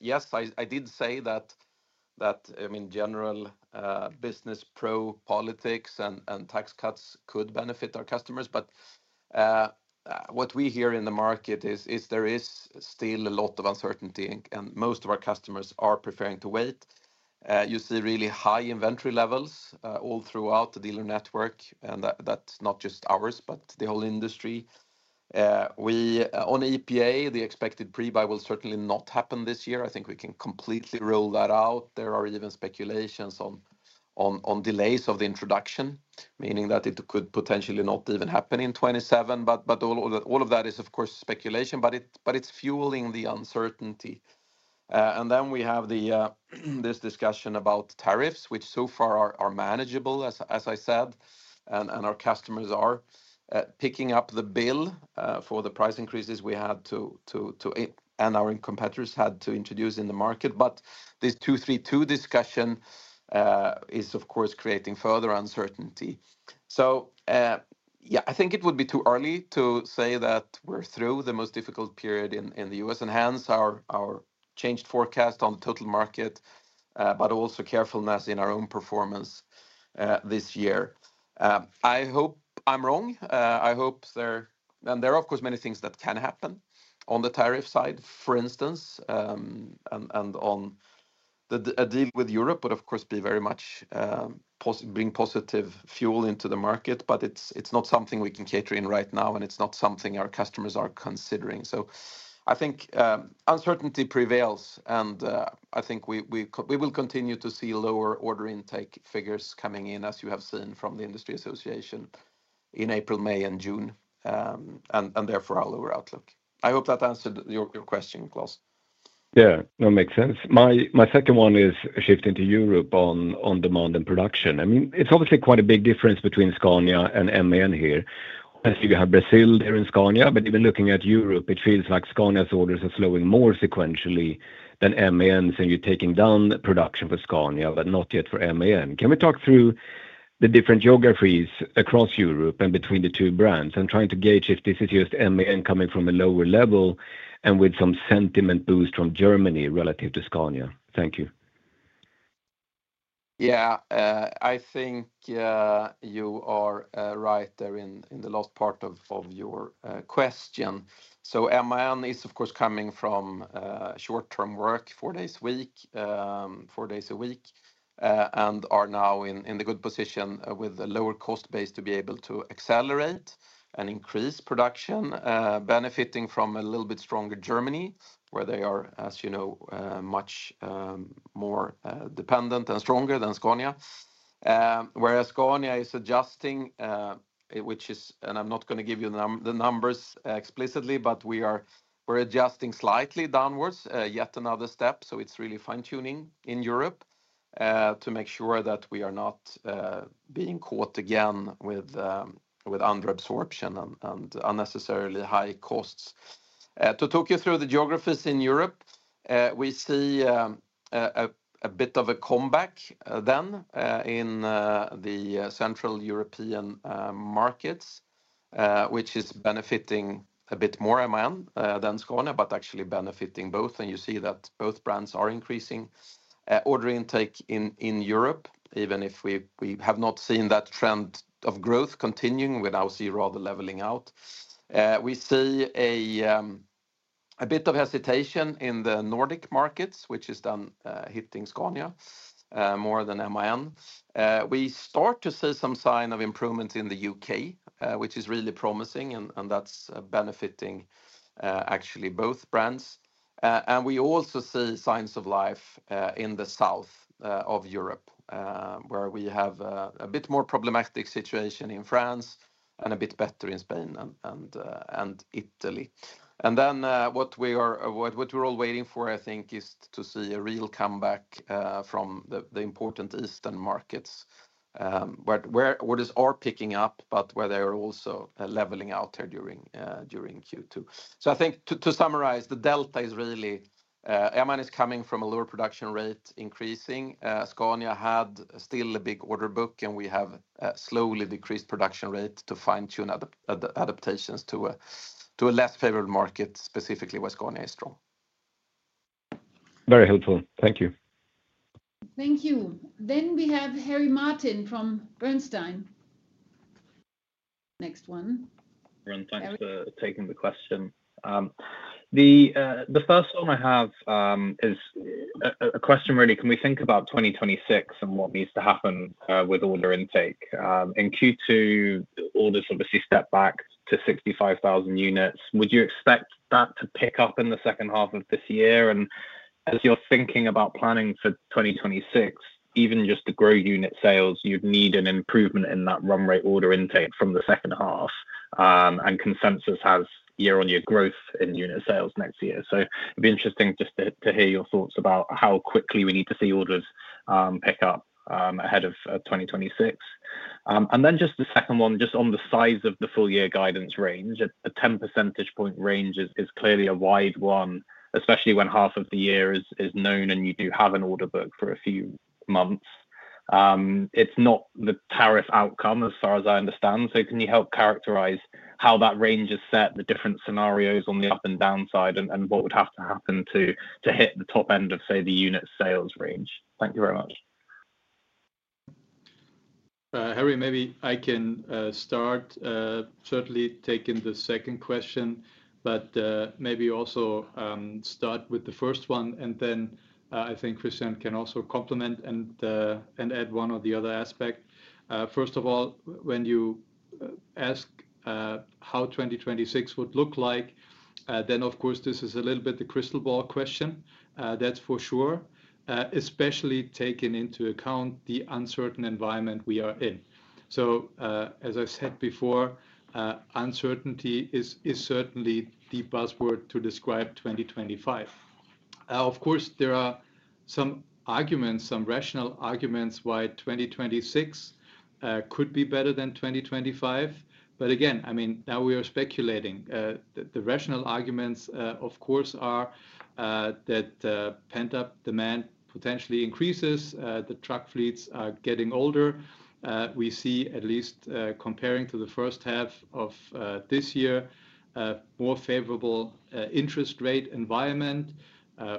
Speaker 2: Yes, I did say that. I mean, general business pro politics and tax cuts could benefit our customers. What we hear in the market is there is still a lot of uncertainty, and most of our customers are preferring to wait. You see really high inventory levels all throughout the dealer network, and that's not just ours, but the whole industry. On EPA, the expected pre-buy will certainly not happen this year. I think we can completely rule that out. There are even speculations on delays of the introduction, meaning that it could potentially not even happen in 2027. All of that is, of course, speculation, but it's fueling the uncertainty. Then we have this discussion about tariffs, which so far are manageable, as I said, and our customers are picking up the bill for the price increases we had to, and our competitors had to introduce in the market. This 232 discussion is, of course, creating further uncertainty. Yeah, I think it would be too early to say that we're through the most difficult period in the U.S. and hence our changed forecast on the total market, but also carefulness in our own performance this year. I hope I'm wrong. I hope there, and there are, of course, many things that can happen on the tariff side, for instance. The deal with Europe would, of course, very much bring positive fuel into the market, but it's not something we can cater in right now, and it's not something our customers are considering. I think uncertainty prevails, and I think we will continue to see lower order intake figures coming in, as you have seen from the industry association in April, May, and June. Therefore, our lower outlook. I hope that answered your question, Klas.
Speaker 5: Yeah, that makes sense. My second one is a shift into Europe on demand and production. I mean, it's obviously quite a big difference between Scania and MAN here. You have Brazil there in Scania, but even looking at Europe, it feels like Scania's orders are slowing more sequentially than MAN's, and you're taking down production for Scania, but not yet for MAN. Can we talk through the different geographies across Europe and between the two brands? I'm trying to gauge if this is just MAN coming from a lower level and with some sentiment boost from Germany relative to Scania. Thank you.
Speaker 2: Yeah, I think you are right there in the last part of your question. MAN is, of course, coming from short-time work, four days a week, and are now in the good position with a lower cost base to be able to accelerate and increase production, benefiting from a little bit stronger Germany, where they are, as you know, much more dependent and stronger than Scania. Whereas Scania is adjusting, which is, and I'm not going to give you the numbers explicitly, but we are adjusting slightly downwards, yet another step. It's really fine-tuning in Europe to make sure that we are not being caught again with underabsorption and unnecessarily high costs. To talk you through the geographies in Europe, we see. A bit of a comeback then in the Central European markets. Which is benefiting a bit more MAN than Scania, but actually benefiting both. And you see that both brands are increasing. Order intake in Europe, even if we have not seen that trend of growth continuing, we now see rather leveling out. We see a bit of hesitation in the Nordic markets, which is then hitting Scania more than MAN. We start to see some sign of improvements in the U.K., which is really promising, and that's benefiting actually both brands. We also see signs of life in the south of Europe, where we have a bit more problematic situation in France and a bit better in Spain and Italy. What we're all waiting for, I think, is to see a real comeback from the important Eastern markets, where orders are picking up, but where they are also leveling out there during Q2. I think to summarize, the delta is really MAN is coming from a lower production rate increasing. Scania had still a big order book, and we have slowly decreased production rate to fine-tune adaptations to a less favorable market, specifically where Scania is strong.
Speaker 5: Very helpful. Thank you.
Speaker 1: Thank you. Then we have Harry Martin from Bernstein. Next one.
Speaker 6: Thanks for taking the question. The first one I have is a question really, can we think about 2026 and what needs to happen with order intake? In Q2, orders obviously step back to 65,000 units. Would you expect that to pick up in the second half of this year? As you're thinking about planning for 2026, even just to grow unit sales, you'd need an improvement in that run rate order intake from the second half. Consensus has year-on-year growth in unit sales next year. It'd be interesting just to hear your thoughts about how quickly we need to see orders pick up ahead of 2026. The second one, just on the size of the full-year guidance range, a 10 percentage point range is clearly a wide one, especially when half of the year is known and you do have an order book for a few months. It's not the tariff outcome, as far as I understand. Can you help characterize how that range is set, the different scenarios on the up and down side, and what would have to happen to hit the top end of, say, the unit sales range? Thank you very much.
Speaker 3: Harry, maybe I can start. Certainly taking the second question, but maybe also start with the first one, and then I think Christian can also complement and add one or the other aspect. First of all, when you ask how 2026 would look like, then of course, this is a little bit the crystal ball question. That's for sure. Especially taking into account the uncertain environment we are in. As I said before. Uncertainty is certainly the buzzword to describe 2025. Of course, there are some arguments, some rational arguments, why 2026 could be better than 2025. But again, I mean, now we are speculating. The rational arguments, of course, are that pent-up demand potentially increases, the truck fleets are getting older. We see, at least comparing to the first half of this year, a more favorable interest rate environment.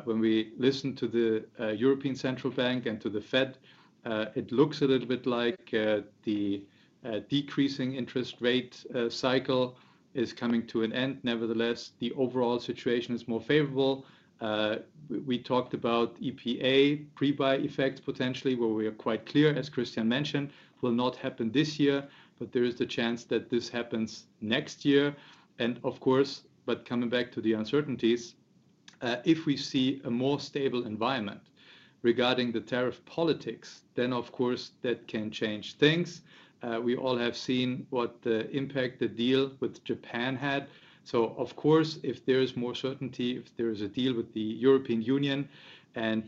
Speaker 3: When we listen to the European Central Bank and to the Fed, it looks a little bit like the decreasing interest rate cycle is coming to an end. Nevertheless, the overall situation is more favorable. We talked about EPA pre-buy effects potentially, where we are quite clear, as Christian mentioned, will not happen this year, but there is the chance that this happens next year. And of course, but coming back to the uncertainties, if we see a more stable environment regarding the tariff politics, then of course, that can change things. We all have seen what the impact the deal with Japan had. So of course, if there is more certainty, if there is a deal with the European Union, and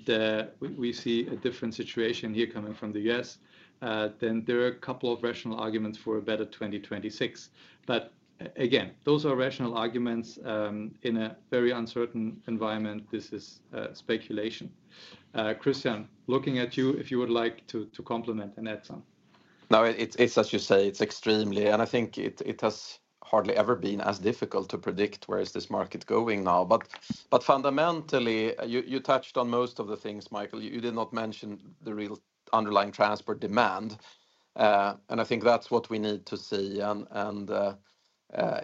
Speaker 3: we see a different situation here coming from the US, then there are a couple of rational arguments for a better 2026. But again, those are rational arguments in a very uncertain environment. This is speculation. Christian, looking at you, if you would like to complement and add some.
Speaker 2: No, it's as you say, it's extremely, and I think it has hardly ever been as difficult to predict where is this market going now. But fundamentally, you touched on most of the things, Michael. You did not mention the real underlying transport demand. And I think that's what we need to see. And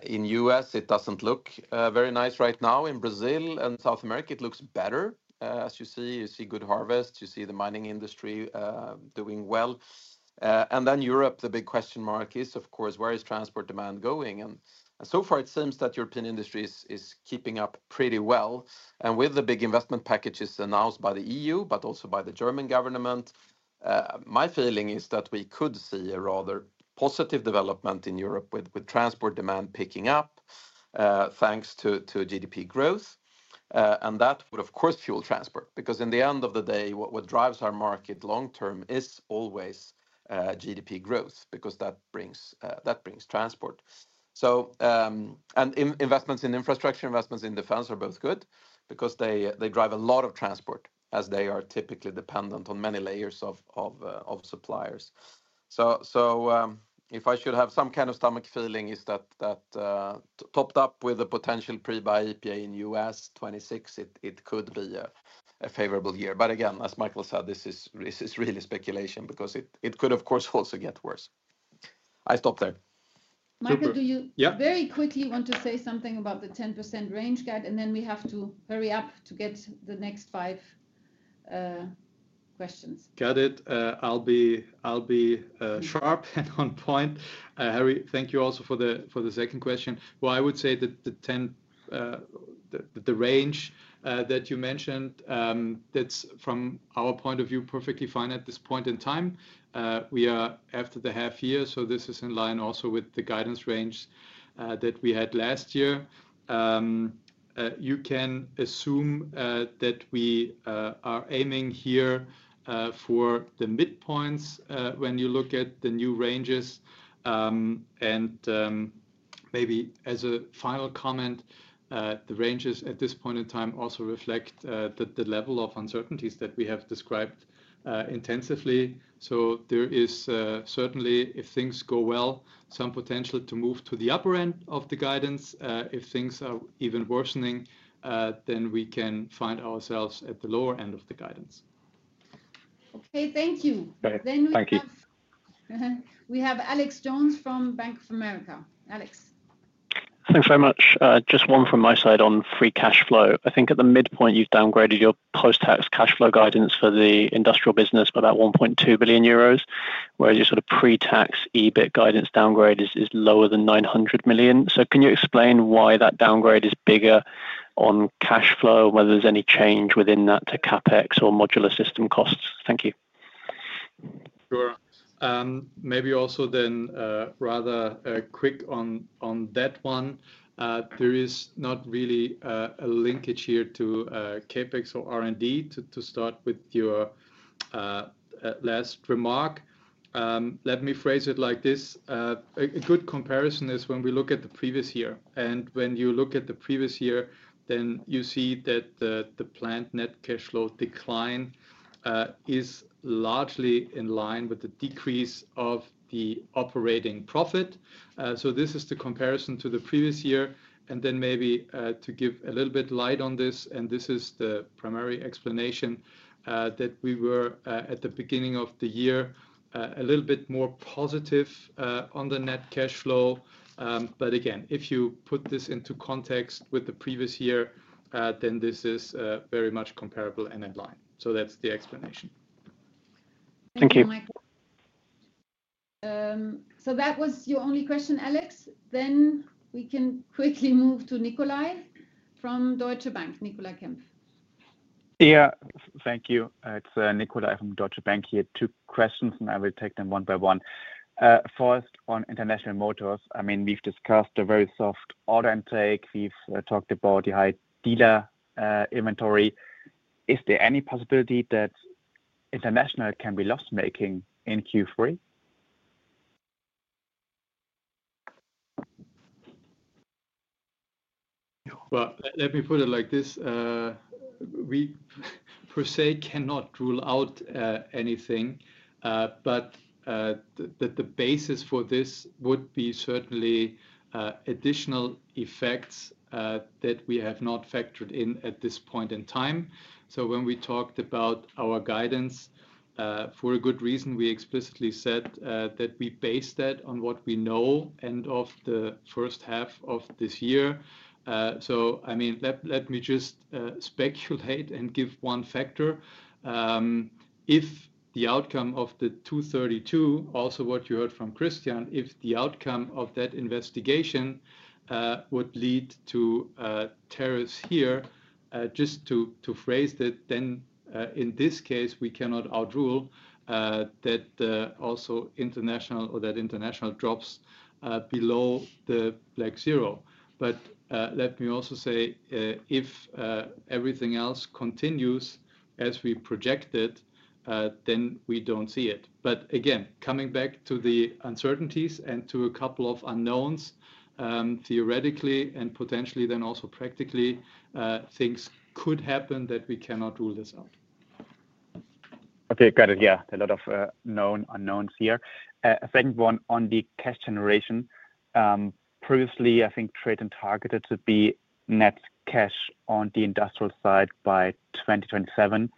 Speaker 2: in the U.S, it doesn't look very nice right now. In Brazil and South America, it looks better. As you see, you see good harvests, you see the mining industry doing well. Then Europe, the big question mark is, of course, where is transport demand going? So far, it seems that European industry is keeping up pretty well. With the big investment packages announced by the EU, but also by the German government, my feeling is that we could see a rather positive development in Europe with transport demand picking up, thanks to GDP growth. That would, of course, fuel transport. Because in the end of the day, what drives our market long-term is always GDP growth, because that brings transport. Investments in infrastructure, investments in defense are both good, because they drive a lot of transport, as they are typically dependent on many layers of suppliers. So if I should have some kind of stomach feeling, is that topped up with the potential pre-buy EPA in U.S 2026, it could be a favorable year. But again, as Michael said, this is really speculation, because it could, of course, also get worse. I stopped there.
Speaker 1: Michael, do you very quickly want to say something about the 10% range guide? And then we have to hurry up to get the next five questions.
Speaker 3: Got it. I'll be sharp and on point. Harry, thank you also for the second question. I would say that the range that you mentioned, that's from our point of view, perfectly fine at this point in time. We are after the half year, so this is in line also with the guidance range that we had last year. You can assume that we are aiming here for the midpoints when you look at the new ranges. Maybe as a final comment, the ranges at this point in time also reflect the level of uncertainties that we have described intensively. There is certainly, if things go well, some potential to move to the upper end of the guidance. If things are even worsening, then we can find ourselves at the lower end of the guidance.
Speaker 1: Okay, thank you.
Speaker 3: Thank you.
Speaker 1: We have Alex Jones from Bank of America. Alex.
Speaker 7: Thanks very much. Just one from my side on free cash flow. I think at the midpoint, you've downgraded your post-tax cash flow guidance for the industrial business by about 1.2 billion euros, whereas your sort of pre-tax EBIT guidance downgrade is lower than 900 million. Can you explain why that downgrade is bigger on cash flow, whether there's any change within that to CapEx or modular system costs? Thank you.
Speaker 3: Sure. Maybe also then rather quick on that one. There is not really a linkage here to CapEx or R&D to start with your last remark. Let me phrase it like this. A good comparison is when we look at the previous year. When you look at the previous year, then you see that the planned net cash flow decline is largely in line with the decrease of the operating profit. This is the comparison to the previous year. Maybe to give a little bit of light on this, and this is the primary explanation, that we were at the beginning of the year a little bit more positive on the net cash flow. Again, if you put this into context with the previous year, then this is very much comparable and in line. That's the explanation.
Speaker 7: Thank you.
Speaker 1: That was your only question, Alex. Then we can quickly move to Nikolai from Deutsche Bank, Nikolai Kempf.
Speaker 8: Yeah, thank you. It's Nikolai from Deutsche Bank here. Two questions, and I will take them one by one. First, on International Motors, I mean, we've discussed the very soft order intake. We've talked about the high dealer inventory. Is there any possibility that International can be loss-making in Q3?
Speaker 3: Let me put it like this. We per se cannot rule out anything. The basis for this would be certainly additional effects that we have not factored in at this point in time. When we talked about our guidance. For a good reason, we explicitly said that we base that on what we know end of the first half of this year. I mean, let me just speculate and give one factor. If the outcome of the 232, also what you heard from Christian, if the outcome of that investigation would lead to tariffs here, just to phrase it, then in this case, we cannot outrule that also International or that International drops below the black zero. Let me also say, if everything else continues as we projected, then we do not see it. Again, coming back to the uncertainties and to a couple of unknowns. Theoretically and potentially, then also practically, things could happen that we cannot rule this out.
Speaker 8: Okay, got it. Yeah, a lot of known unknowns here. A second one on the cash generation. Previously, I think TRATON had to be net cash on the industrial side by 2027.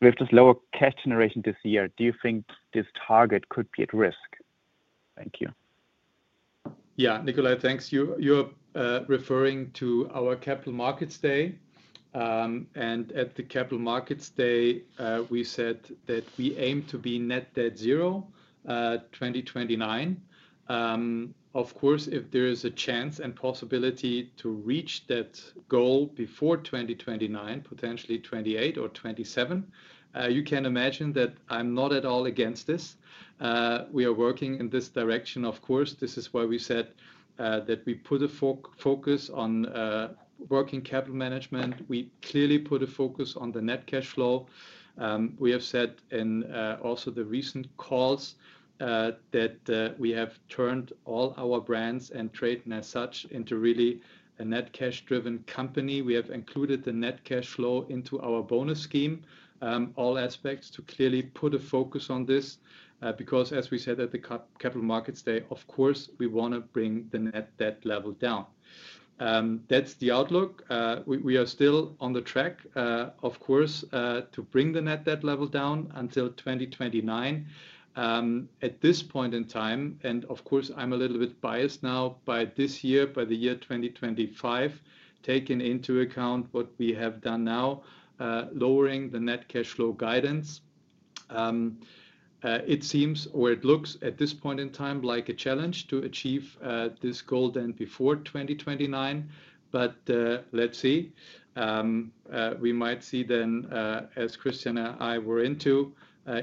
Speaker 8: With this lower cash generation this year, do you think this target could be at risk? Thank you.
Speaker 3: Yeah, Nikolai, thanks. You are referring to our Capital Markets Day. At the Capital Markets Day, we said that we aim to be net debt zero 2029. Of course, if there is a chance and possibility to reach that goal before 2029, potentially 2028 or 2027, you can imagine that I am not at all against this. We are working in this direction, of course. This is why we said that we put a focus on working capital management. We clearly put a focus on the net cash flow. We have said in also the recent calls that we have turned all our brands and TRATON as such into really a net cash-driven company. We have included the net cash flow into our bonus scheme, all aspects to clearly put a focus on this. Because as we said at the Capital Markets Day, of course, we want to bring the net debt level down. That is the outlook. We are still on the track, of course, to bring the net debt level down until 2029. At this point in time, and of course, I am a little bit biased now by this year, by the year 2025, taking into account what we have done now. Lowering the net cash flow guidance. It seems or it looks at this point in time like a challenge to achieve this goal then before 2029. Let's see. We might see then, as Christian and I were into,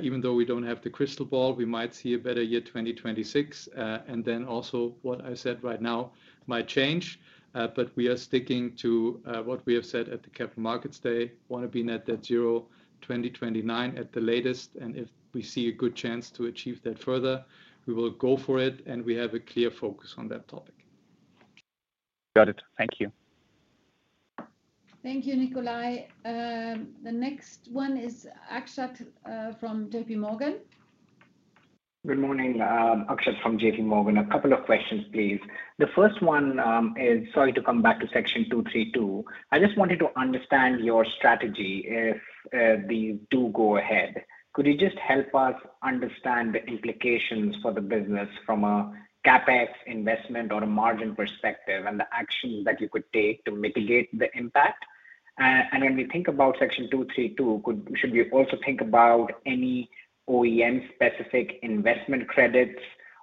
Speaker 3: even though we do not have the crystal ball, we might see a better year 2026. Then also what I said right now might change. We are sticking to what we have said at the Capital Markets Day. Want to be net debt zero 2029 at the latest. If we see a good chance to achieve that further, we will go for it. We have a clear focus on that topic.
Speaker 8: Got it. Thank you.
Speaker 1: Thank you, Nikolai. The next one is Akshat from JPMorgan.
Speaker 9: Good morning. Akshat from JPMorgan. A couple of questions, please. The first one is, sorry to come back to Section 232. I just wanted to understand your strategy if we do go ahead. Could you just help us understand the implications for the business from a CapEx investment or a margin perspective and the actions that you could take to mitigate the impact? When we think about Section 232, should we also think about any OEM-specific investment credits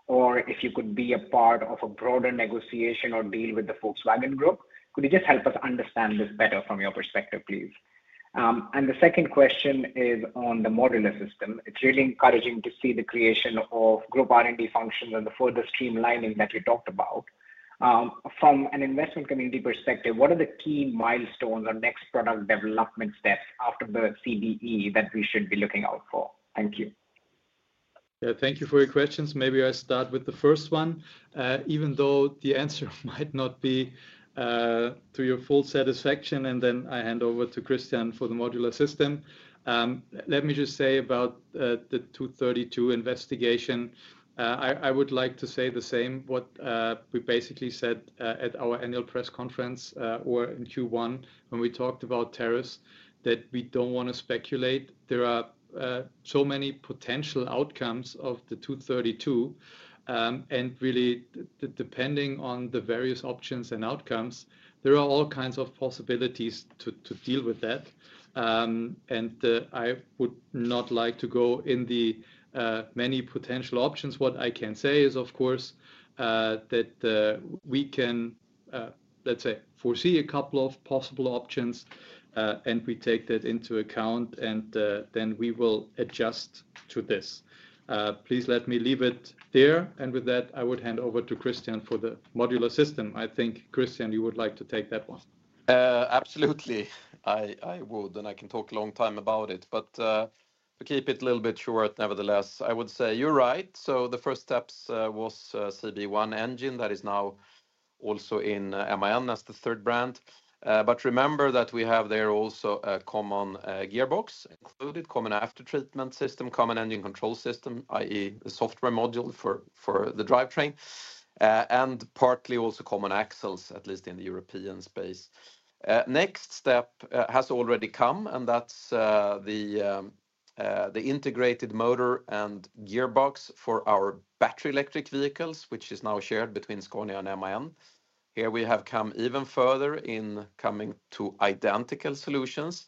Speaker 9: or if you could be a part of a broader negotiation or deal with the Volkswagen Group? Could you just help us understand this better from your perspective, please? The second question is on the modular system. It's really encouraging to see the creation of group R&D functions and the further streamlining that you talked about. From an investment community perspective, what are the key milestones or next product development steps after the CB1 engine that we should be looking out for? Thank you.
Speaker 3: Yeah, thank you for your questions. Maybe I start with the first one. Even though the answer might not be to your full satisfaction, and then I hand over to Christian for the modular system. Let me just say about the 232 investigation. I would like to say the same as what we basically said at our annual press conference or in Q1 when we talked about tariffs, that we don't want to speculate. There are so many potential outcomes of the 232. Really, depending on the various options and outcomes, there are all kinds of possibilities to deal with that. I would not like to go into the many potential options. What I can say is, of course, that we can, let's say, foresee a couple of possible options, and we take that into account, and then we will adjust to this. Please let me leave it there. With that, I would hand over to Christian for the modular system. I think, Christian, you would like to take that one.
Speaker 2: Absolutely. I would, and I can talk a long time about it. To keep it a little bit short, nevertheless, I would say you're right. The first step was CB1 engine that is now also in MAN as the third brand. Remember that we have there also a common gearbox, included common aftertreatment system, common engine control system, i.e., the software module for the drivetrain, and partly also common axles, at least in the European space. Next step has already come, and that's the integrated motor and gearbox for our battery electric vehicles, which is now shared between Scania and MAN. Here we have come even further in coming to identical solutions.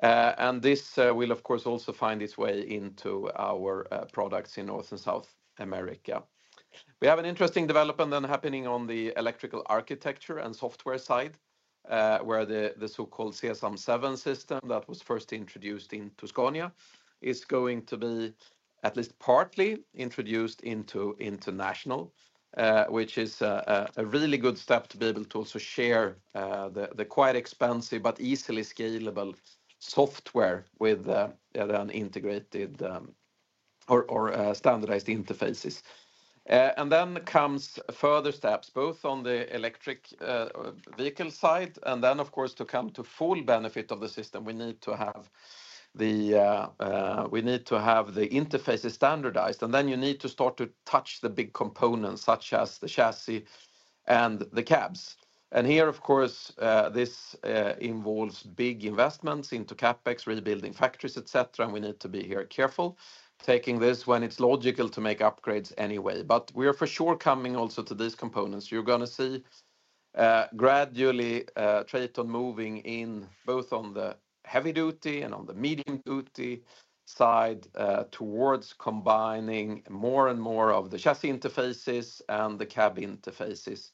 Speaker 2: This will, of course, also find its way into our products in North and South America. We have an interesting development then happening on the electrical architecture and software side, where the so-called CSM7 system that was first introduced into Scania is going to be at least partly introduced into International. Which is a really good step to be able to also share the quite expensive but easily scalable software with an integrated or standardized interfaces. Then comes further steps, both on the electric vehicle side. Of course, to come to full benefit of the system, we need to have the interfaces standardized. You need to start to touch the big components, such as the chassis and the cabs. Here, of course, this involves big investments into CapEx, rebuilding factories, etc. We need to be here careful, taking this when it is logical to make upgrades anyway. We are for sure coming also to these components. You are going to see gradually TRATON moving in both on the heavy duty and on the medium duty side towards combining more and more of the chassis interfaces and the cab interfaces.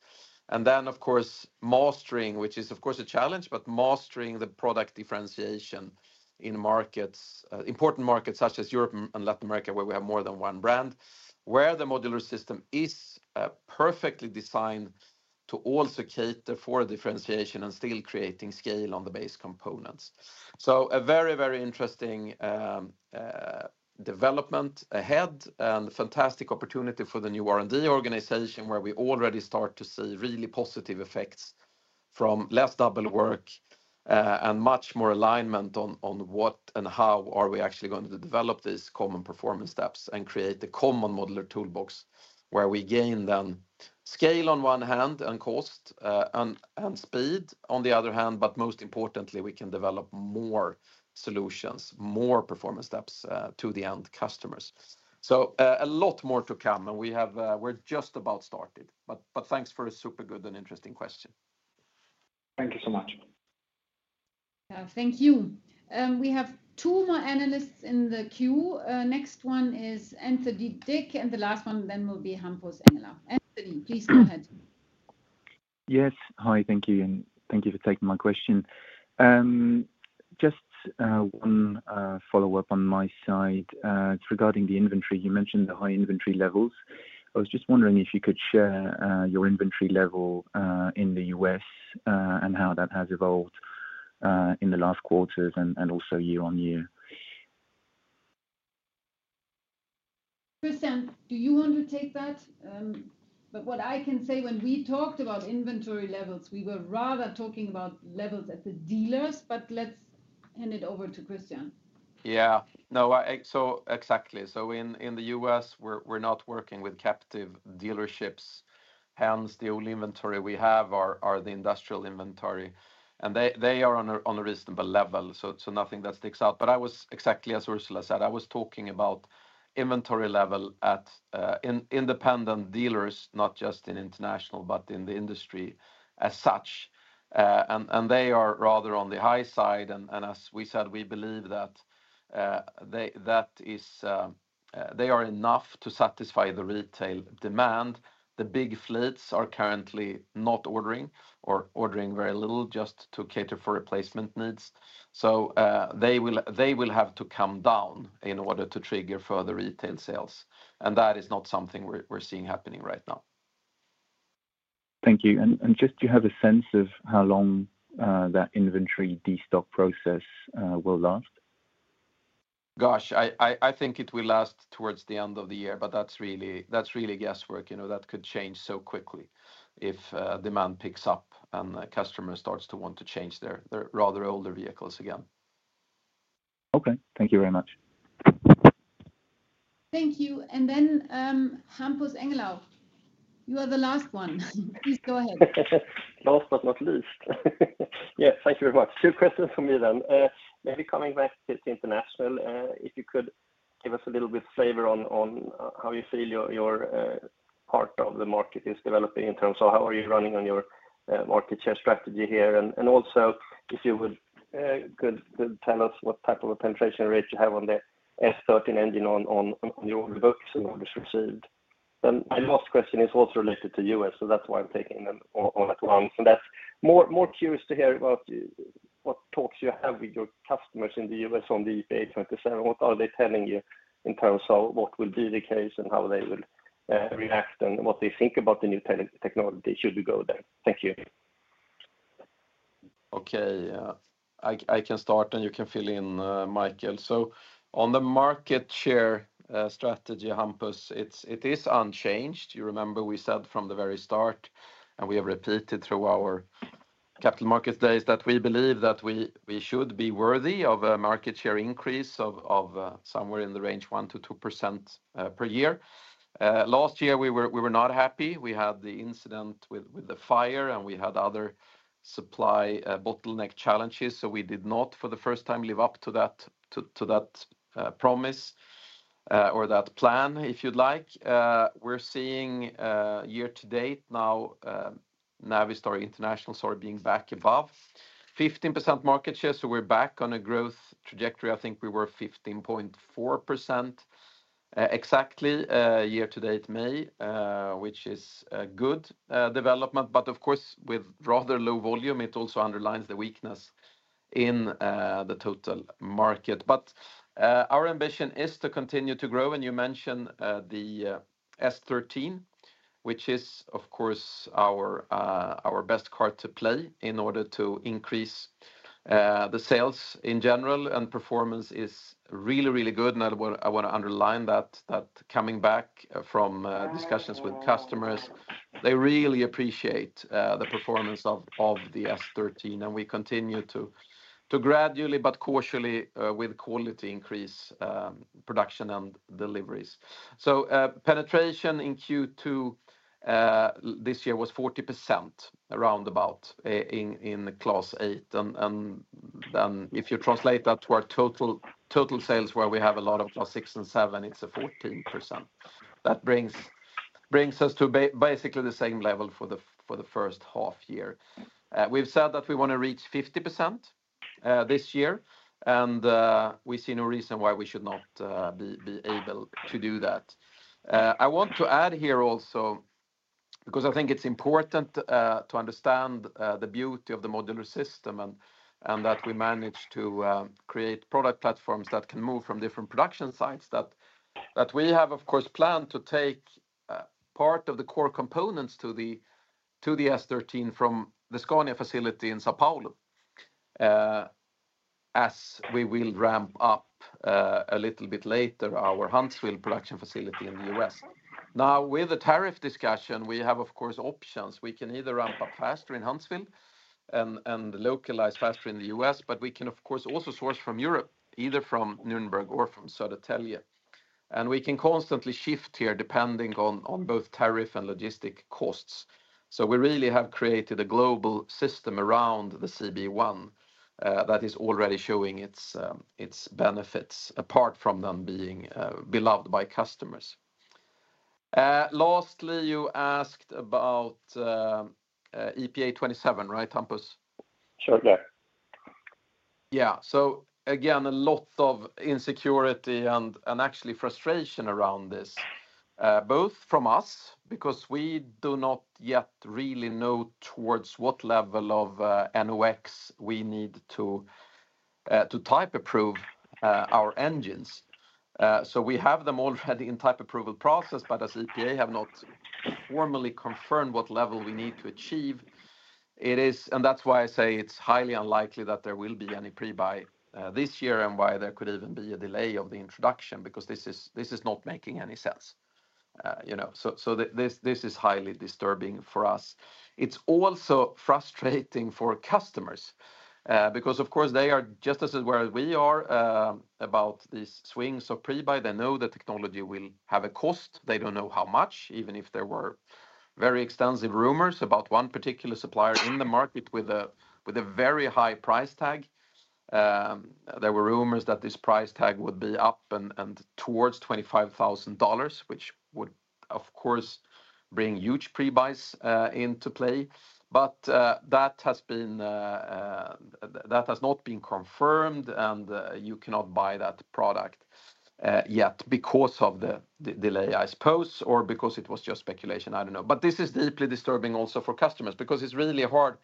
Speaker 2: Of course, mastering, which is, of course, a challenge, but mastering the product differentiation in markets, important markets such as Europe and Latin America, where we have more than one brand, where the modular system is perfectly designed to also cater for differentiation and still creating scale on the base components. A very, very interesting development ahead and fantastic opportunity for the new R&D organization, where we already start to see really positive effects from less double work and much more alignment on what and how are we actually going to develop these common performance steps and create a common modular toolbox where we gain then scale on one hand and cost and speed on the other hand. Most importantly, we can develop more solutions, more performance steps to the end customers. A lot more to come. We are just about started. Thanks for a super good and interesting question.
Speaker 9: Thank you so much.
Speaker 1: Thank you. We have two more analysts in the queue. Next one is Anthony Dick, and the last one then will be Hampus Engellau. Anthony, please go ahead.
Speaker 10: Yes. Hi, thank you. Thank you for taking my question. Just one follow-up on my side. It is regarding the inventory. You mentioned the high inventory levels. I was just wondering if you could share your inventory level in the U.S. and how that has evolved in the last quarters and also year on year.
Speaker 1: Christian, do you want to take that? What I can say, when we talked about inventory levels, we were rather talking about levels at the dealers. Let's hand it over to Christian.
Speaker 2: Yeah. No, so exactly. In the U.S., we are not working with captive dealerships. Hence, the only inventory we have are the industrial inventory. They are on a reasonable level. Nothing that sticks out. I was exactly as Ursula said. I was talking about inventory level at independent dealers, not just in International, but in the industry as such. They are rather on the high side. As we said, we believe that they are enough to satisfy the retail demand. The big fleets are currently not ordering or ordering very little just to cater for replacement needs. They will have to come down in order to trigger further retail sales. That is not something we're seeing happening right now.
Speaker 10: Thank you. Do you have a sense of how long that inventory destock process will last?
Speaker 2: Gosh, I think it will last towards the end of the year, but that's really guesswork. That could change so quickly if demand picks up and customers start to want to change their rather older vehicles again.
Speaker 10: Okay. Thank you very much.
Speaker 1: Thank you. Hampus Engellau, you are the last one. Please go ahead.
Speaker 11: Last but not least. Yes, thank you very much. Two questions for me then. Maybe coming back to International, if you could give us a little bit of flavor on how you feel your part of the market is developing in terms of how are you running on your market share strategy here. Also, if you would tell us what type of penetration rate you have on the S13 integrated powertrain on your order books and orders received. My last question is also related to the U.S, so that's why I'm taking them all at once. That's more curious to hear about what talks you have with your customers in the U.S on the EPA 27. What are they telling you in terms of what will be the case and how they will react and what they think about the new technology should we go there? Thank you.
Speaker 2: Okay. I can start and you can fill in, Michael. On the market share strategy, Hampus, it is unchanged. You remember we said from the very start, and we have repeated through our Capital Markets Days, that we believe that we should be worthy of a market share increase of somewhere in the range of 1-2% per year. Last year, we were not happy. We had the incident with the fire, and we had other supply bottleneck challenges. We did not, for the first time, live up to that promise or that plan, if you'd like. We're seeing year to date now Navistar International, sorry, being back above 15% market share. We're back on a growth trajectory. I think we were 15.4% exactly year to date May, which is a good development. Of course, with rather low volume, it also underlines the weakness in the total market. Our ambition is to continue to grow. You mentioned the S13 integrated powertrain, which is, of course, our best card to play in order to increase the sales in general. Performance is really, really good. I want to underline that coming back from discussions with customers, they really appreciate the performance of the S13. We continue to gradually but cautiously, with quality, increase production and deliveries. Penetration in Q2 this year was 40%, around about, in Class 8. If you translate that to our total sales, where we have a lot of Class 6 and 7, it's 14%. That brings us to basically the same level for the first half year. We've said that we want to reach 50% this year, and we see no reason why we should not be able to do that. I want to add here also, because I think it's important to understand the beauty of the modular system and that we manage to create product platforms that can move from different production sites. We have, of course, planned to take part of the core components to the S13 from the Scania facility in São Paulo as we will ramp up a little bit later our Huntsville production facility in the U.S. Now, with the tariff discussion, we have, of course, options. We can either ramp up faster in Huntsville and localize faster in the U.S., but we can, of course, also source from Europe, either from Nürnberg or from Södertälje. We can constantly shift here depending on both tariff and logistic costs. We really have created a global system around the CB1 that is already showing its benefits apart from them being beloved by customers. Lastly, you asked about EPA 27, right, Hampus?
Speaker 11: Certainly.
Speaker 2: Again, a lot of insecurity and actually frustration around this, both from us, because we do not yet really know towards what level of NOx we need to type approve our engines. We have them already in type approval process, but as EPA have not formally confirmed what level we need to achieve. That's why I say it's highly unlikely that there will be any pre-buy this year and why there could even be a delay of the introduction, because this is not making any sense. This is highly disturbing for us. It's also frustrating for customers because, of course, they are just as aware as we are about these swings of pre-buy. They know the technology will have a cost. They don't know how much, even if there were very extensive rumors about one particular supplier in the market with a very high price tag. There were rumors that this price tag would be up and towards $25,000, which would, of course, bring huge pre-buys into play. That has not been confirmed, and you cannot buy that product yet because of the delay, I suppose, or because it was just speculation. I don't know. This is deeply disturbing also for customers because it's really hard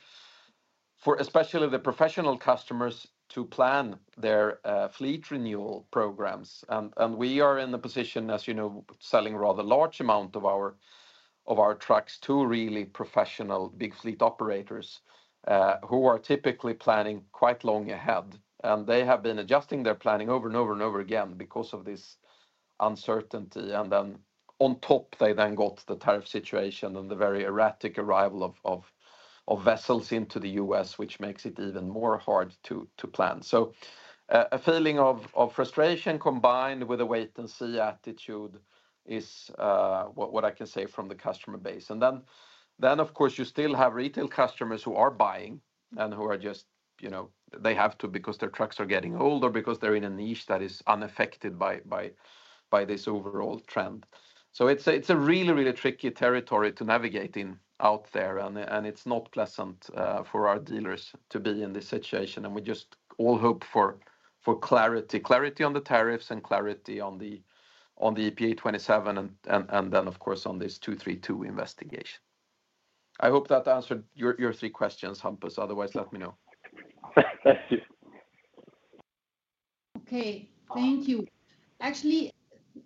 Speaker 2: for especially the professional customers to plan their fleet renewal programs. We are in the position, as you know, selling a rather large amount of our trucks to really professional big fleet operators who are typically planning quite long ahead. They have been adjusting their planning over and over again because of this uncertainty. On top, they then got the tariff situation and the very erratic arrival of vessels into the U.S., which makes it even more hard to plan. A feeling of frustration combined with a wait-and-see attitude is what I can say from the customer base. Of course, you still have retail customers who are buying and who are just, they have to because their trucks are getting old or because they are in a niche that is unaffected by this overall trend. It is a really, really tricky territory to navigate out there. It is not pleasant for our dealers to be in this situation. We just all hope for clarity on the tariffs and clarity on the EPA 27 and, of course, on this 232 investigation. I hope that answered your three questions, Hampus. Otherwise, let me know.
Speaker 11: Thank you.
Speaker 1: Okay. Thank you. Actually,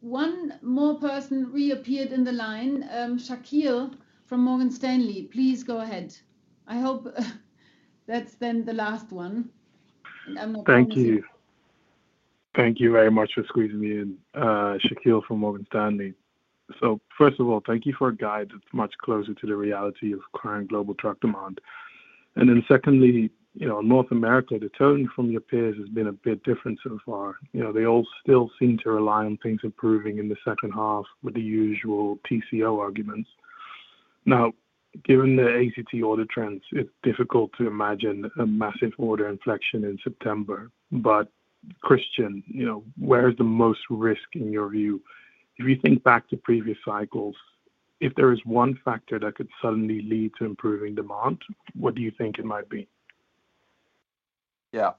Speaker 1: one more person reappeared in the line. Shaqeal from Morgan Stanley. Please go ahead. I hope that is then the last one.
Speaker 12: Thank you. Thank you very much for squeezing me in. Shaqeal from Morgan Stanley. First of all, thank you for a guide that is much closer to the reality of current global truck demand. Secondly, North America, the tone from your peers has been a bit different so far. They all still seem to rely on things improving in the second half with the usual TCO arguments. Now, given the ACT order trends, it is difficult to imagine a massive order inflection in September. Christian, where is the most risk in your view? If you think back to previous cycles, if there is one factor that could suddenly lead to improving demand, what do you think it might be?
Speaker 2: Yeah.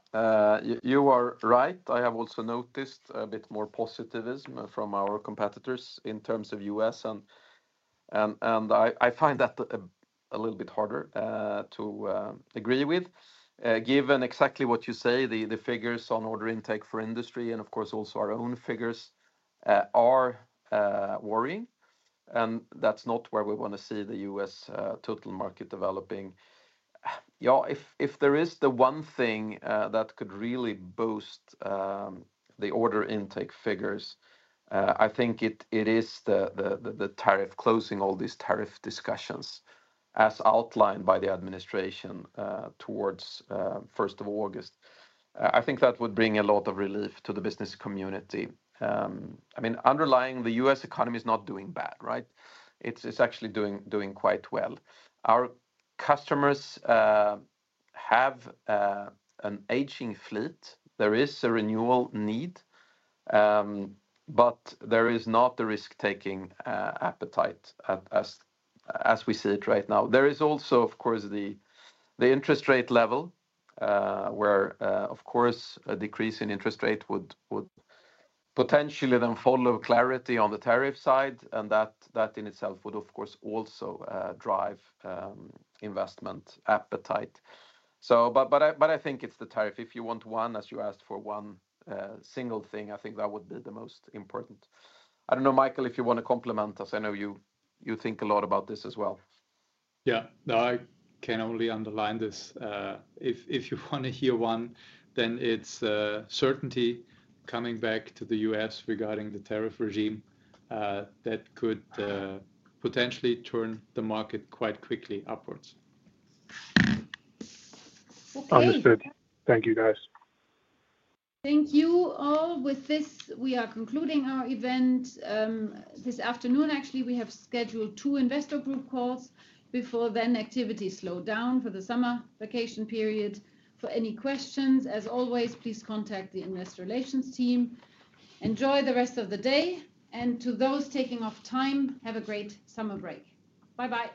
Speaker 2: You are right. I have also noticed a bit more positivism from our competitors in terms of U.S. I find that a little bit harder to agree with, given exactly what you say, the figures on order intake for industry and, of course, also our own figures are worrying. That is not where we want to see the U.S. total market developing. If there is the one thing that could really boost the order intake figures, I think it is the tariff closing, all these tariff discussions as outlined by the administration towards 1 August. I think that would bring a lot of relief to the business community. I mean, underlying, the U.S. economy is not doing bad, right? It is actually doing quite well. Our customers have an aging fleet. There is a renewal need. But there is not the risk-taking appetite as we see it right now. There is also, of course, the interest rate level. Where, of course, a decrease in interest rate would potentially then follow clarity on the tariff side. That in itself would, of course, also drive investment appetite. I think it is the tariff. If you want one, as you asked for one single thing, I think that would be the most important. I do not know, Michael, if you want to complement us. I know you think a lot about this as well.
Speaker 3: Yeah. No, I can only underline this. If you want to hear one, then it is certainty coming back to the U.S. regarding the tariff regime. That could potentially turn the market quite quickly upwards.
Speaker 12: Understood. Thank you, guys.
Speaker 1: Thank you all. With this, we are concluding our event. This afternoon, actually, we have scheduled two investor group calls.
Speaker 2: Before then, activities slow down for the summer vacation period. For any questions, as always, please contact the investor relations team. Enjoy the rest of the day. To those taking off time, have a great summer break. Bye-bye.